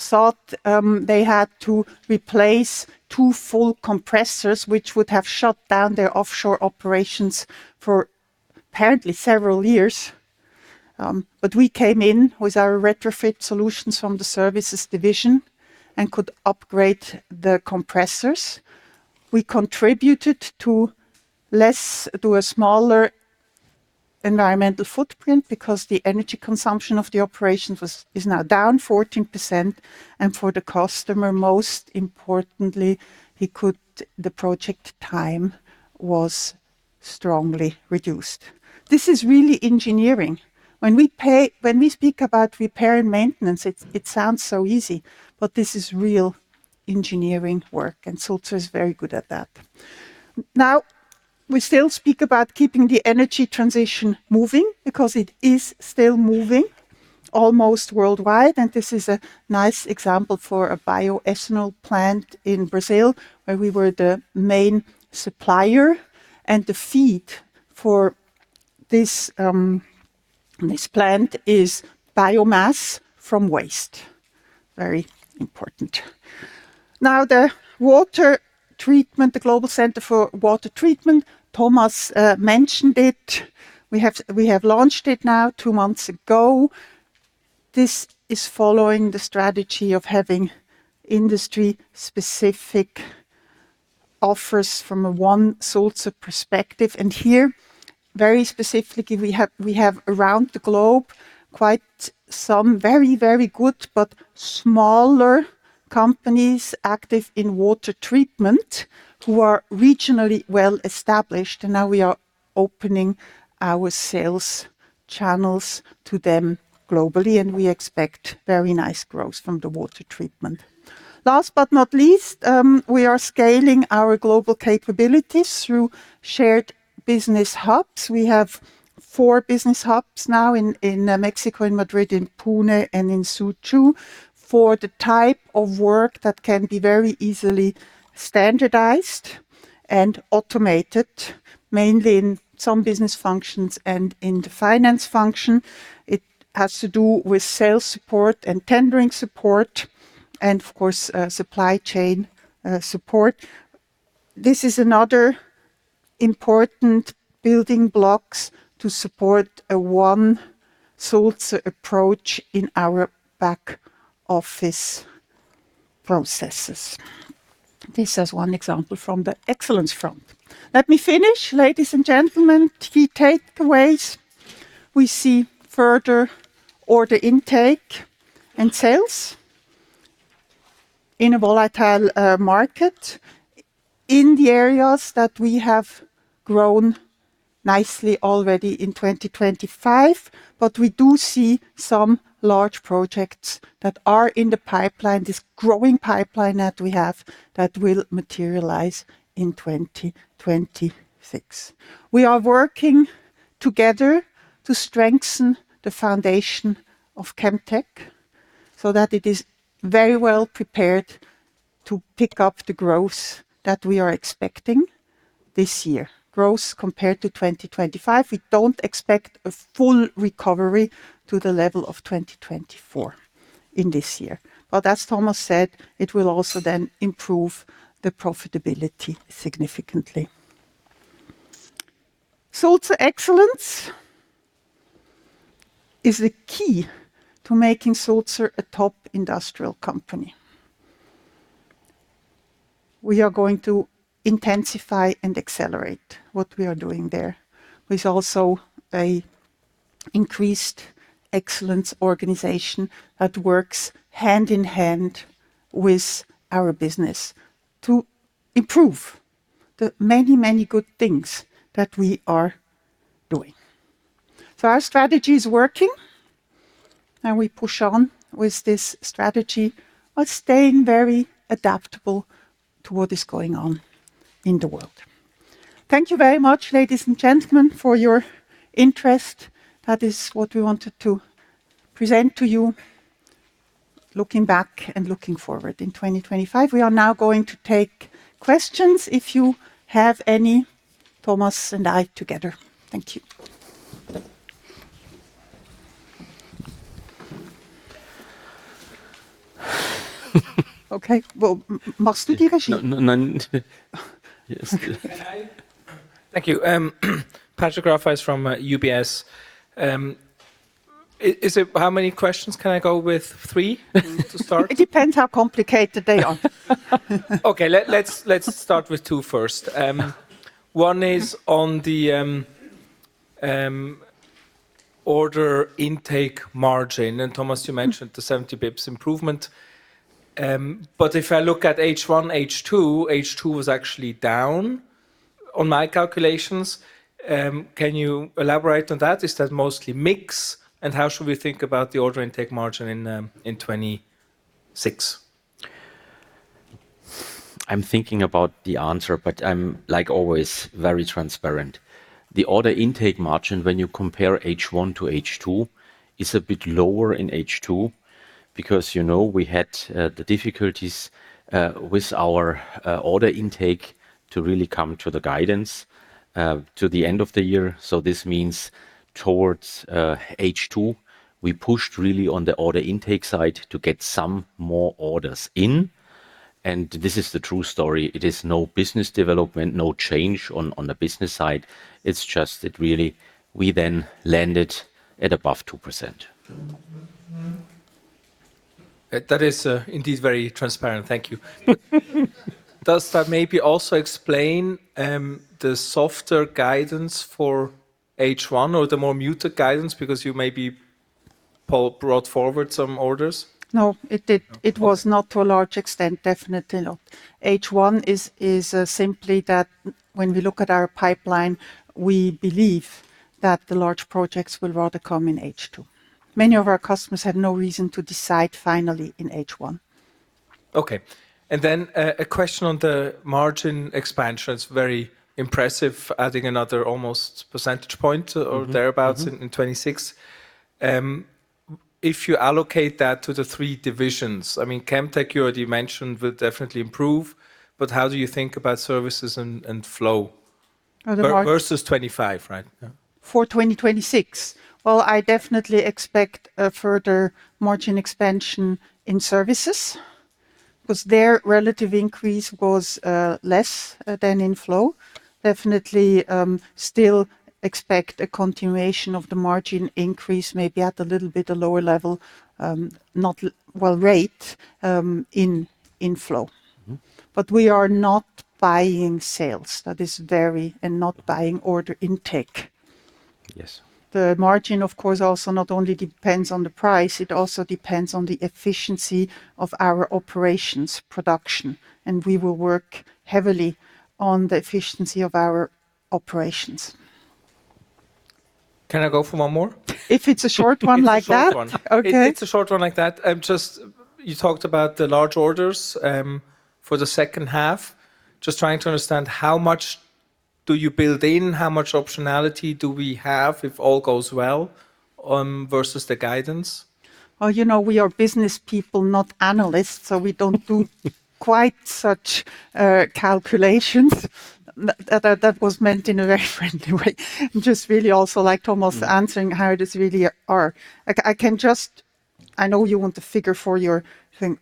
thought they had to replace two full compressors, which would have shut down their offshore operations for apparently several years. We came in with our retrofit solutions from the Services division and could upgrade the compressors. We contributed to a smaller environmental footprint because the energy consumption of the operations was, is now down 14%. For the customer, most importantly. The project time was strongly reduced. This is really engineering. When we speak about repair and maintenance, it sounds so easy, but this is real engineering work. Sulzer is very good at that. Now, we still speak about keeping the energy transition moving because it is still moving almost worldwide. This is a nice example for a bioethanol plant in Brazil, where we were the main supplier. The feed for this plant is biomass from waste. Very important. Now, the water treatment, the Global Center for Water Treatment, Thomas mentioned it. We have launched it now two months ago. This is following the strategy of having industry-specific offers from a One Sulzer perspective. Here, very specifically, we have around the globe, quite some very good but smaller companies active in water treatment, who are regionally well-established. Now we are opening our sales channels to them globally, and we expect very nice growth from the water treatment. Last but not least, we are scaling our global capabilities through Business Services Hubs. We have 4 business hubs now in Mexico, in Madrid, in Pune, and in Suzhou, for the type of work that can be very easily standardized and automated, mainly in some business functions and in the finance function. It has to do with sales support and tendering support and, of course, supply chain support. This is another important building blocks to support a One Sulzer approach in our back office processes. This is one example from the Excellence front. Let me finish, ladies and gentlemen. Key takeaways: We see further order intake and sales in a volatile market in the areas that we have grown nicely already in 2025. We do see some large projects that are in the pipeline, this growing pipeline that we have, that will materialize in 2026. We are working together to strengthen the foundation of Chemtech, so that it is very well prepared to pick up the growth that we are expecting this year. Growth compared to 2025, we don't expect a full recovery to the level of 2024 in this year. As Thomas said, it will also then improve the profitability significantly. Sulzer Excellence is the key to making Sulzer a top industrial company. We are going to intensify and accelerate what we are doing there, with also an increased excellence organization that works hand in hand with our business to improve the many, many good things that we are doing. Our strategy is working, and we push on with this strategy while staying very adaptable to what is going on in the world. Thank you very much, ladies and gentlemen, for your interest. That is what we wanted to present to you, looking back and looking forward in 2025. We are now going to take questions, if you have any. Thomas and I together. Thank you. Okay. Well, must you take it? No, no. Yes. Can I thank you. Patrick Glauser from UBS. How many questions can I go with? Three to start? It depends how complicated they are. Okay, let's start with two first. One is on the order intake margin, Thomas, you mentioned the 70 bips improvement. If I look at H1, H2 was actually down on my calculations. Can you elaborate on that? Is that mostly mix? How should we think about the order intake margin in 2026? I'm thinking about the answer, but I'm, like always, very transparent. The order intake margin, when you compare H1 to H2, is a bit lower in H2 because, you know, we had the difficulties with our order intake to really come to the guidance to the end of the year. This means towards H2, we pushed really on the order intake side to get some more orders in, and this is the true story. It is no business development, no change on the business side. It's just that really, we then landed at above 2%. That is indeed very transparent. Thank you. Does that maybe also explain the softer guidance for H1 or the more muted guidance because you brought forward some orders? No, it. No. It was not to a large extent, definitely not. H1 is simply that when we look at our pipeline, we believe that the large projects will rather come in H2. Many of our customers have no reason to decide finally in H1. Okay. A question on the margin expansion. It's very impressive, adding another almost one percentage point or thereabout. In 26. If you allocate that to the three divisions, I mean, Chemtech, you already mentioned, will definitely improve, but how do you think about Services and Flow? Uh, the mar versus 25, right? Yeah. For 2026? Well, I definitely expect a further margin expansion in Services, because their relative increase was less than in Flow. Definitely, still expect a continuation of the margin increase, maybe at a little bit lower level, not well, rate, in Flow. We are not buying sales. That is very not buying order intake. Yes. The margin, of course, also not only depends on the price, it also depends on the efficiency of our operations production, and we will work heavily on the efficiency of our operations. Can I go for one more? If it's a short one like that. A short one. Okay. If it's a short one like that. You talked about the large orders, for the second half. Just trying to understand, how much do you build in, how much optionality do we have if all goes well, versus the guidance? Well, you know, we are business people, not analysts, we don't quite such calculations. That was meant in a very friendly way. Just really also like Thomas answering how it is really are. I can just I know you want the figure for your thing.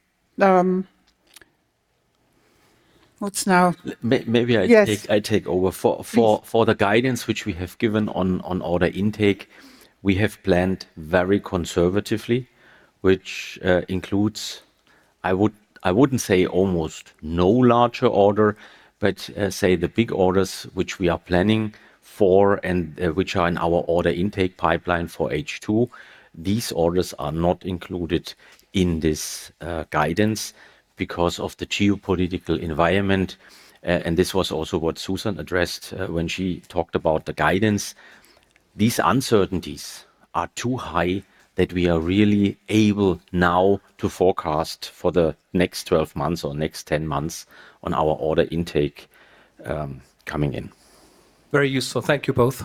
What's now? maybe I take Yes. I take over. Please. For the guidance which we have given on order intake, we have planned very conservatively, which includes, I wouldn't say almost no larger order, but say the big orders which we are planning for and which are in our order intake pipeline for H2, these orders are not included in this guidance because of the geopolitical environment. This was also what Suzanne addressed when she talked about the guidance. These uncertainties are too high that we are really able now to forecast for the next 12 months or next 10 months on our order intake coming in. Very useful. Thank you both.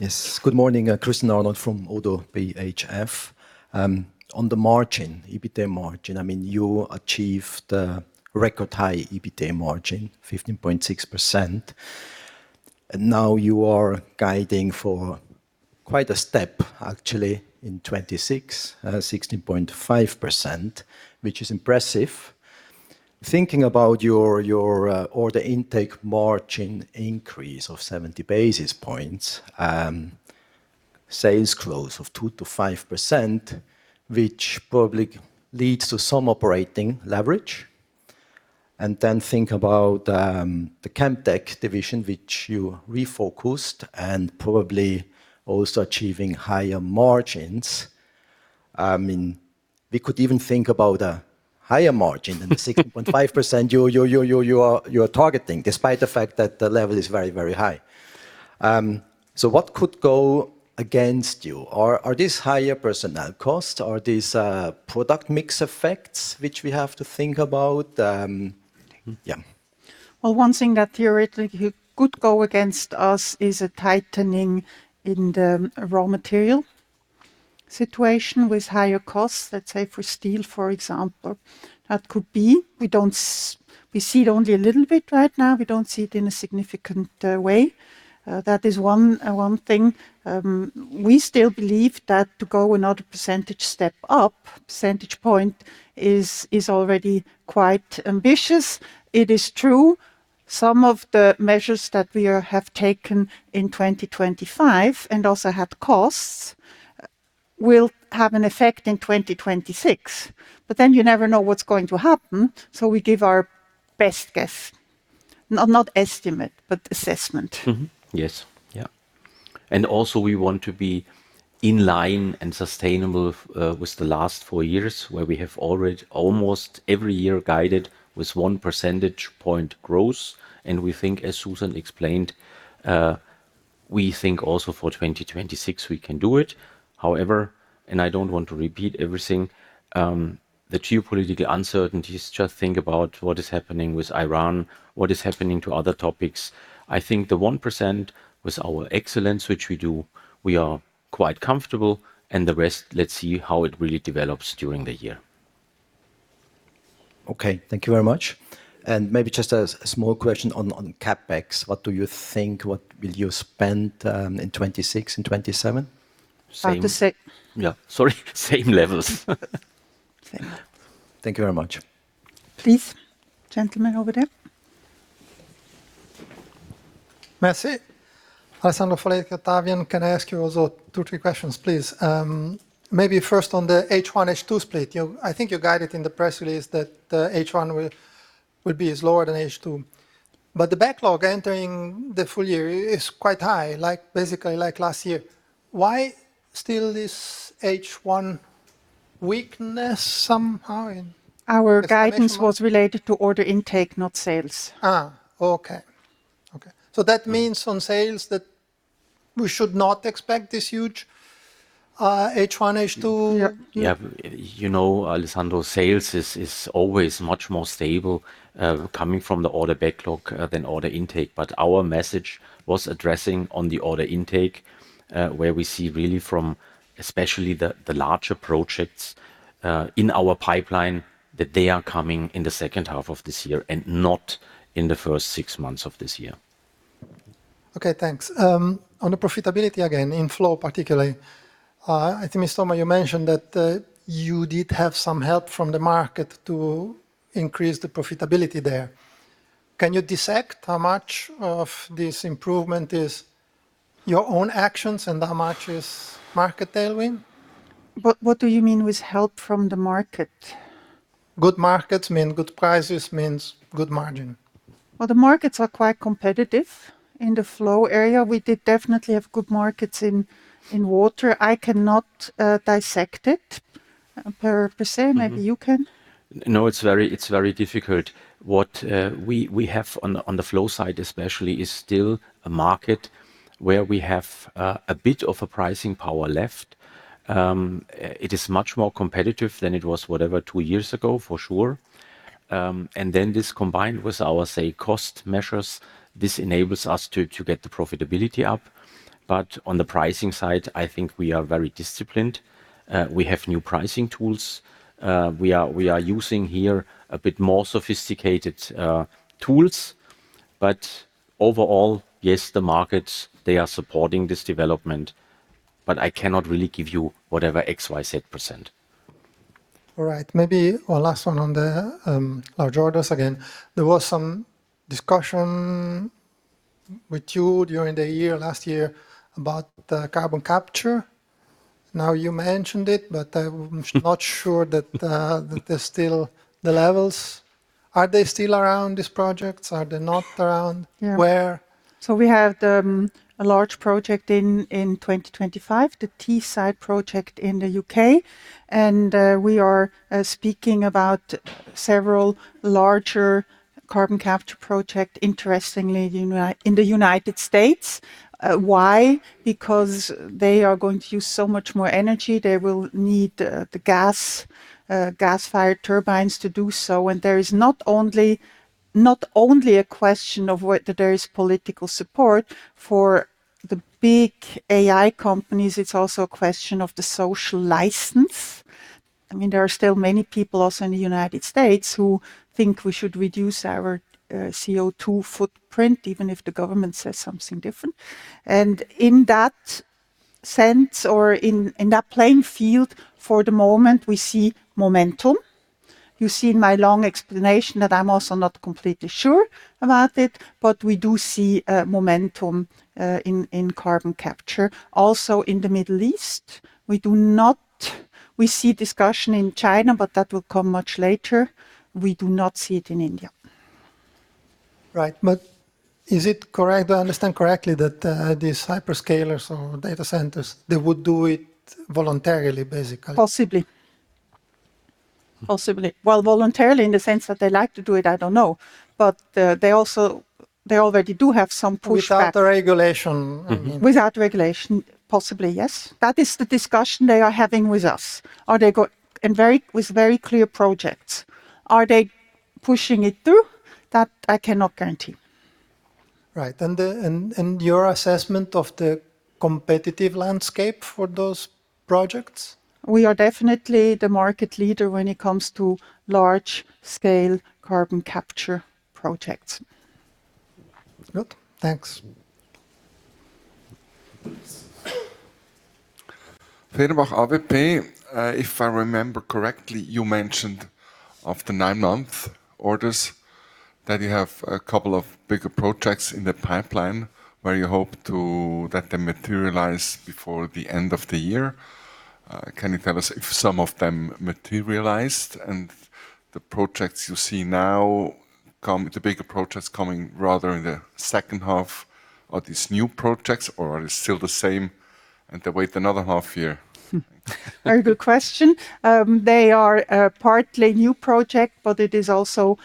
Yes. Good morning, Christian Arnold from Oddo BHF. On the margin, EBITDA margin, I mean, you achieved a record high EBITDA margin, 15.6%, and now you are guiding for quite a step, actually, in 2026, 16.5%, which is impressive. Thinking about your, order intake margin increase of 70 basis points, sales close of 2%-5%, which probably leads to some operating leverage. Think about the Chemtech division, which you refocused and probably also achieving higher margins. I mean, we could even think about a higher margin than the 16.5% you are targeting, despite the fact that the level is very, very high. What could go against you? Are these higher personnel costs, are these product mix effects, which we have to think about? Yeah. Well, one thing that theoretically could go against us is a tightening in the raw material situation with higher costs, let's say for steel, for example. That could be. We don't see it only a little bit right now. We don't see it in a significant way. That is one thing. We still believe that to go another percentage step up, percentage point, is already quite ambitious. It is true, some of the measures that we have taken in 2025 and also had costs, will have an effect in 2026, but then you never know what's going to happen, so we give our best guess. Not estimate, but assessment. Yes. Yeah. Also we want to be in line and sustainable with the last four years, where we have already almost every year guided with one percentage point growth. We think, as Suzanne Thoma explained, we think also for 2026, we can do it. However, I don't want to repeat everything, the geopolitical uncertainties, just think about what is happening with Iran, what is happening to other topics. I think the 1% with our Excellence, which we do, we are quite comfortable, and the rest, let's see how it really develops during the year. Okay. Thank you very much. Maybe just a small question on CapEx. What do you think, what will you spend in 2026 and 2027? Same About the same. Yeah. Sorry. Same levels. Same. Thank you very much. Please, gentleman over there. Merci. Alessandro Foletti, Octavian. Can I ask you also two, three questions, please? Maybe first on the H1, H2 split. I think you guided in the press release that the H1 will be as lower than H2. The backlog entering the full year is quite high, like, basically like last year. Why still this H1 weakness somehow in Our guidance was related to order intake, not sales. Okay. That means on sales, that we should not expect this huge H1, H2? Yeah. Yeah. You know, Alessandro, sales is always much more stable, coming from the order backlog, than order intake. Our message was addressing on the order intake, where we see really from especially the larger projects, in our pipeline, that they are coming in the second half of this year and not in the first six months of this year. Okay, thanks. On the profitability, again, in Flow, particularly, I think, Mr. Thomas, you mentioned that, you did have some help from the market to increase the profitability there. Can you dissect how much of this improvement your own actions and how much is market tailwind? What do you mean with help from the market? Good markets mean good prices, means good margin. Well, the markets are quite competitive in the Flow area. We did definitely have good markets in water. I cannot dissect it, per se. Maybe you can. No, it's very difficult. What we have on the Flow side especially, is still a market where we have a bit of a pricing power left. It is much more competitive than it was, whatever, two years ago, for sure. This combined with our, say, cost measures, this enables us to get the profitability up. On the pricing side, I think we are very disciplined. We have new pricing tools. We are using here a bit more sophisticated tools. Overall, yes, the markets, they are supporting this development, but I cannot really give you whatever X, Y, Z%. All right. Maybe one last one on the large orders again. There was some discussion with you during the year, last year, about the carbon capture. Now, you mentioned it, but not sure that there's still the levels. Are they still around, these projects? Are they not around? Yeah. Where? We have a large project in 2025, the Teesside project in the U.K. We are speaking about several larger carbon capture project, interestingly, in the United States. Why? Because they are going to use so much more energy. They will need the gas-fired turbines to do so. There is not only a question of whether there is political support for the big AI companies, it's also a question of the social license. I mean, there are still many people also in the United States who think we should reduce our CO2 footprint, even if the government says something different. In that sense, or in that playing field, for the moment, we see momentum. You see in my long explanation that I'm also not completely sure about it. We do see momentum in carbon capture. Also in the Middle East. We see discussion in China. That will come much later. We do not see it in India. Right. Is it correct, I understand correctly that, these hyperscalers or data centers, they would do it voluntarily, basically? Possibly. Possibly. Well, voluntarily in the sense that they like to do it, I don't know. They already do have some pushback. Without the regulation. Without regulation, possibly, yes. That is the discussion they are having with us. Are they with very clear projects. Are they pushing it through? That I cannot guarantee. Right. And the, and your assessment of the competitive landscape for those projects? We are definitely the market leader when it comes to large-scale carbon capture projects. Good. Thanks. Armin Walpen, AWP. If I remember correctly, you mentioned of the nine month orders, that you have a couple of bigger projects in the pipeline, where you hope to let them materialize before the end of the year. Can you tell us if some of them materialized? The projects you see now the bigger projects coming rather in the second half, are these new projects, or are they still the same, and they wait another half year? Very good question. They are partly new project, but it is also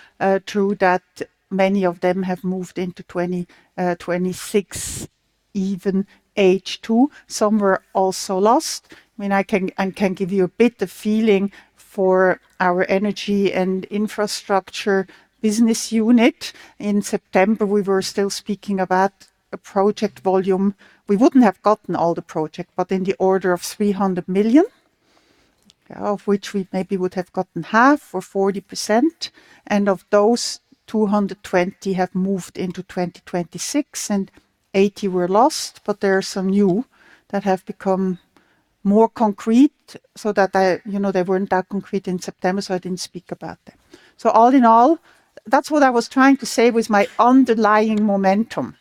true that many of them have moved into 2026, even H2. Some were also lost. I mean, I can give you a bit of feeling for our energy and infrastructure business unit. In September, we were still speaking about a project volume. We wouldn't have gotten all the project, but in the order of 300 million, of which we maybe would have gotten half or 40%. Of those, 220 have moved into 2026, and 80 were lost. There are some new that have become more concrete, so that they, you know, they weren't that concrete in September, so I didn't speak about them. All in all, that's what I was trying to say with my underlying momentum.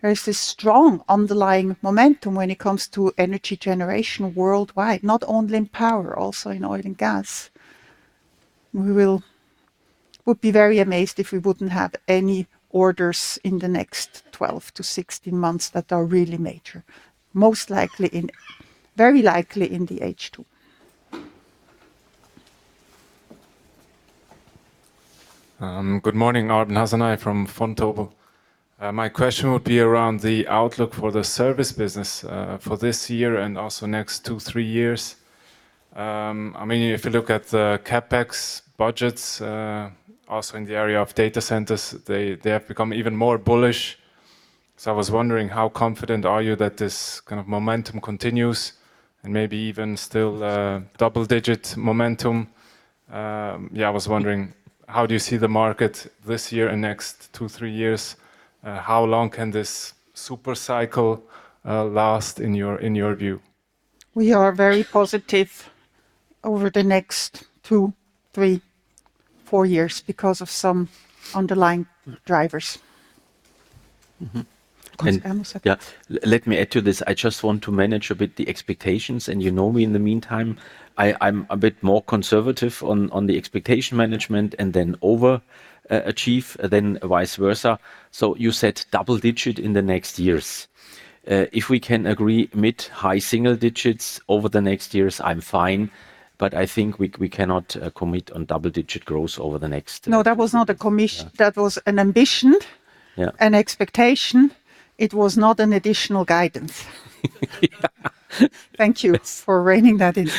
There is this strong underlying momentum when it comes to energy generation worldwide, not only in power, also in oil and gas. We would be very amazed if we wouldn't have any orders in the next 12 to 16 months that are really major. Very likely in the H2. Good morning, Arben Hasanaj from Vontobel. My question would be around the outlook for the service business for this year and also next two, three years. I mean, if you look at the CapEx budgets, also in the area of data centers, they have become even more bullish. I was wondering, how confident are you that this kind of momentum continues and maybe even still double-digit momentum? Yeah, I was wondering, how do you see the market this year and next two, three years? How long can this super cycle last in your view? We are very positive over the next two, three years, four years because of some underlying drivers. Go on, Thomas, yeah. Let me add to this. I just want to manage a bit the expectations, and you know me in the meantime. I'm a bit more conservative on the expectation management and then over achieve than vice versa. You said double-digit in the next years. If we can agree mid-high single-digits over the next years, I'm fine, but I think we cannot commit on double-digit growth over the next No, that was not a. Yeah That was an. Yeah an expectation. It was not an additional guidance. Yeah. Thank you for reining that in.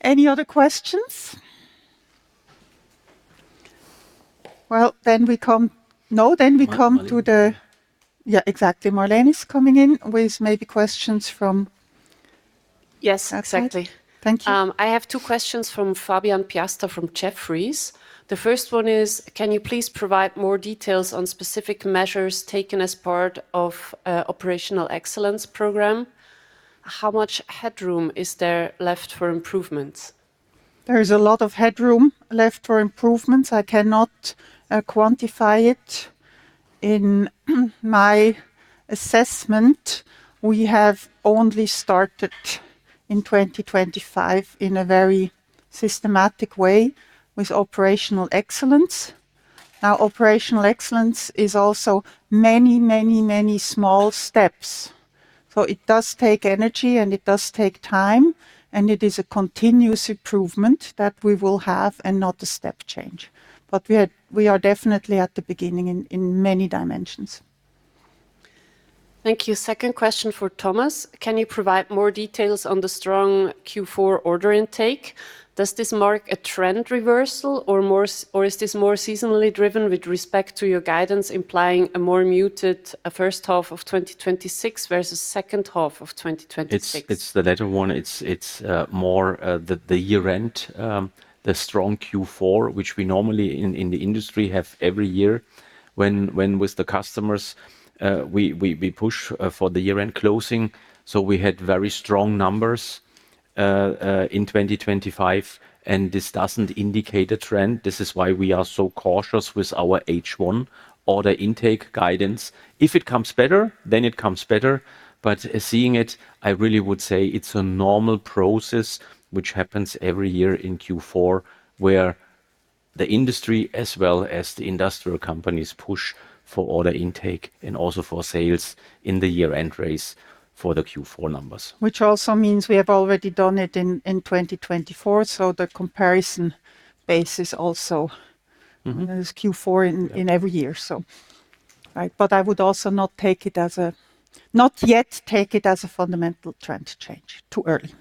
Any other questions? No, then we come to the. Yeah, exactly. Marlene is coming in with maybe questions from. Yes, exactly. Thank you. I have two questions from Fabian Piasta from Jefferies. The first one is, can you please provide more details on specific measures taken as part of Operational Excellence program? How much headroom is there left for improvements? There is a lot of headroom left for improvements. I cannot quantify it. In my assessment, we have only started in 2025 in a very systematic way with Operational Excellence. Operational Excellence is also many, many, many small steps. It does take energy, and it does take time, and it is a continuous improvement that we will have and not a step change. We are definitely at the beginning in many dimensions. Thank you. Second question for Thomas: Can you provide more details on the strong Q4 order intake? Does this mark a trend reversal or is this more seasonally driven with respect to your guidance, implying a more muted first half of 2026 versus second half of 2026? It's the latter one. It's more the year-end, the strong Q4, which we normally in the industry have every year when with the customers we push for the year-end closing. We had very strong numbers in 2025, and this doesn't indicate a trend. This is why we are so cautious with our H1 order intake guidance. If it comes better, then it comes better. Seeing it, I really would say it's a normal process which happens every year in Q4, where the industry, as well as the industrial companies, push for order intake and also for sales in the year-end race for the Q4 numbers. Which also means we have already done it in 2024, so the comparison base is also you know, is Q4. Yeah in every year, so. Right? I would also not take it as a fundamental trend change. Too early.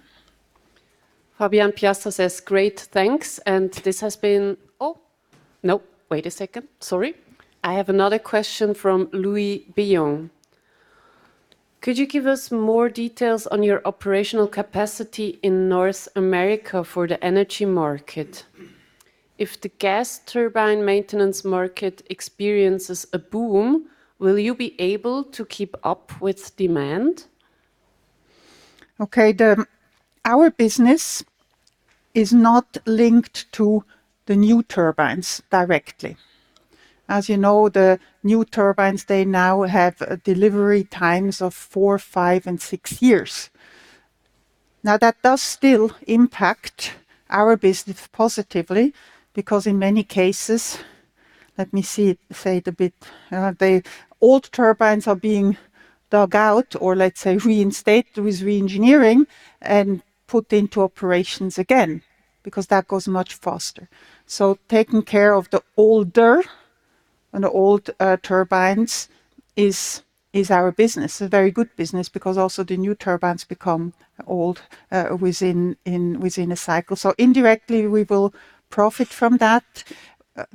Fabian Piasta says, "Great, thanks." Oh! Nope, wait a second. Sorry. I have another question from Louis Billon: Could you give us more details on your operational capacity in North America for the energy market? If the gas turbine maintenance market experiences a boom, will you be able to keep up with demand? Our business is not linked to the new turbines directly. As you know, the new turbines, they now have delivery times of four, five, and six years. That does still impact our business positively, because in many cases, the old turbines are being dug out or reinstated with reengineering and put into operations again, because that goes much faster. Taking care of the older and the old turbines is our business, a very good business, because also the new turbines become old within a cycle. Indirectly, we will profit from that.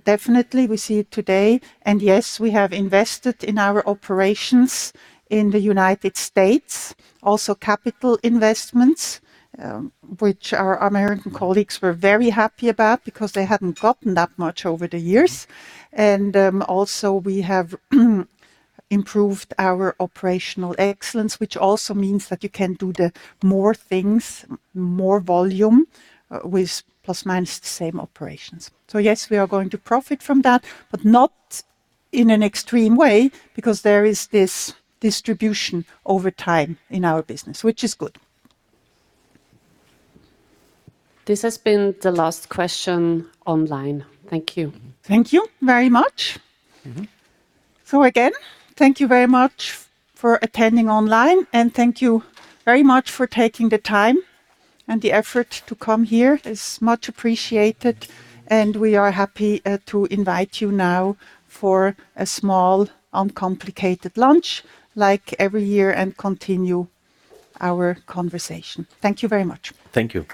Definitely, we see it today, and yes, we have invested in our operations in the United States. Capital investments, which our American colleagues were very happy about because they hadn't gotten that much over the years. We have improved our Operational Excellence, which also means that you can do the more things, more volume, with plus-minus the same operations. Yes, we are going to profit from that, but not in an extreme way because there is this distribution over time in our business, which is good. This has been the last question online. Thank you. Thank you very much. Again, thank you very much for attending online, and thank you very much for taking the time and the effort to come here. It's much appreciated, and we are happy to invite you now for a small, uncomplicated lunch, like every year, and continue our conversation. Thank you very much. Thank you.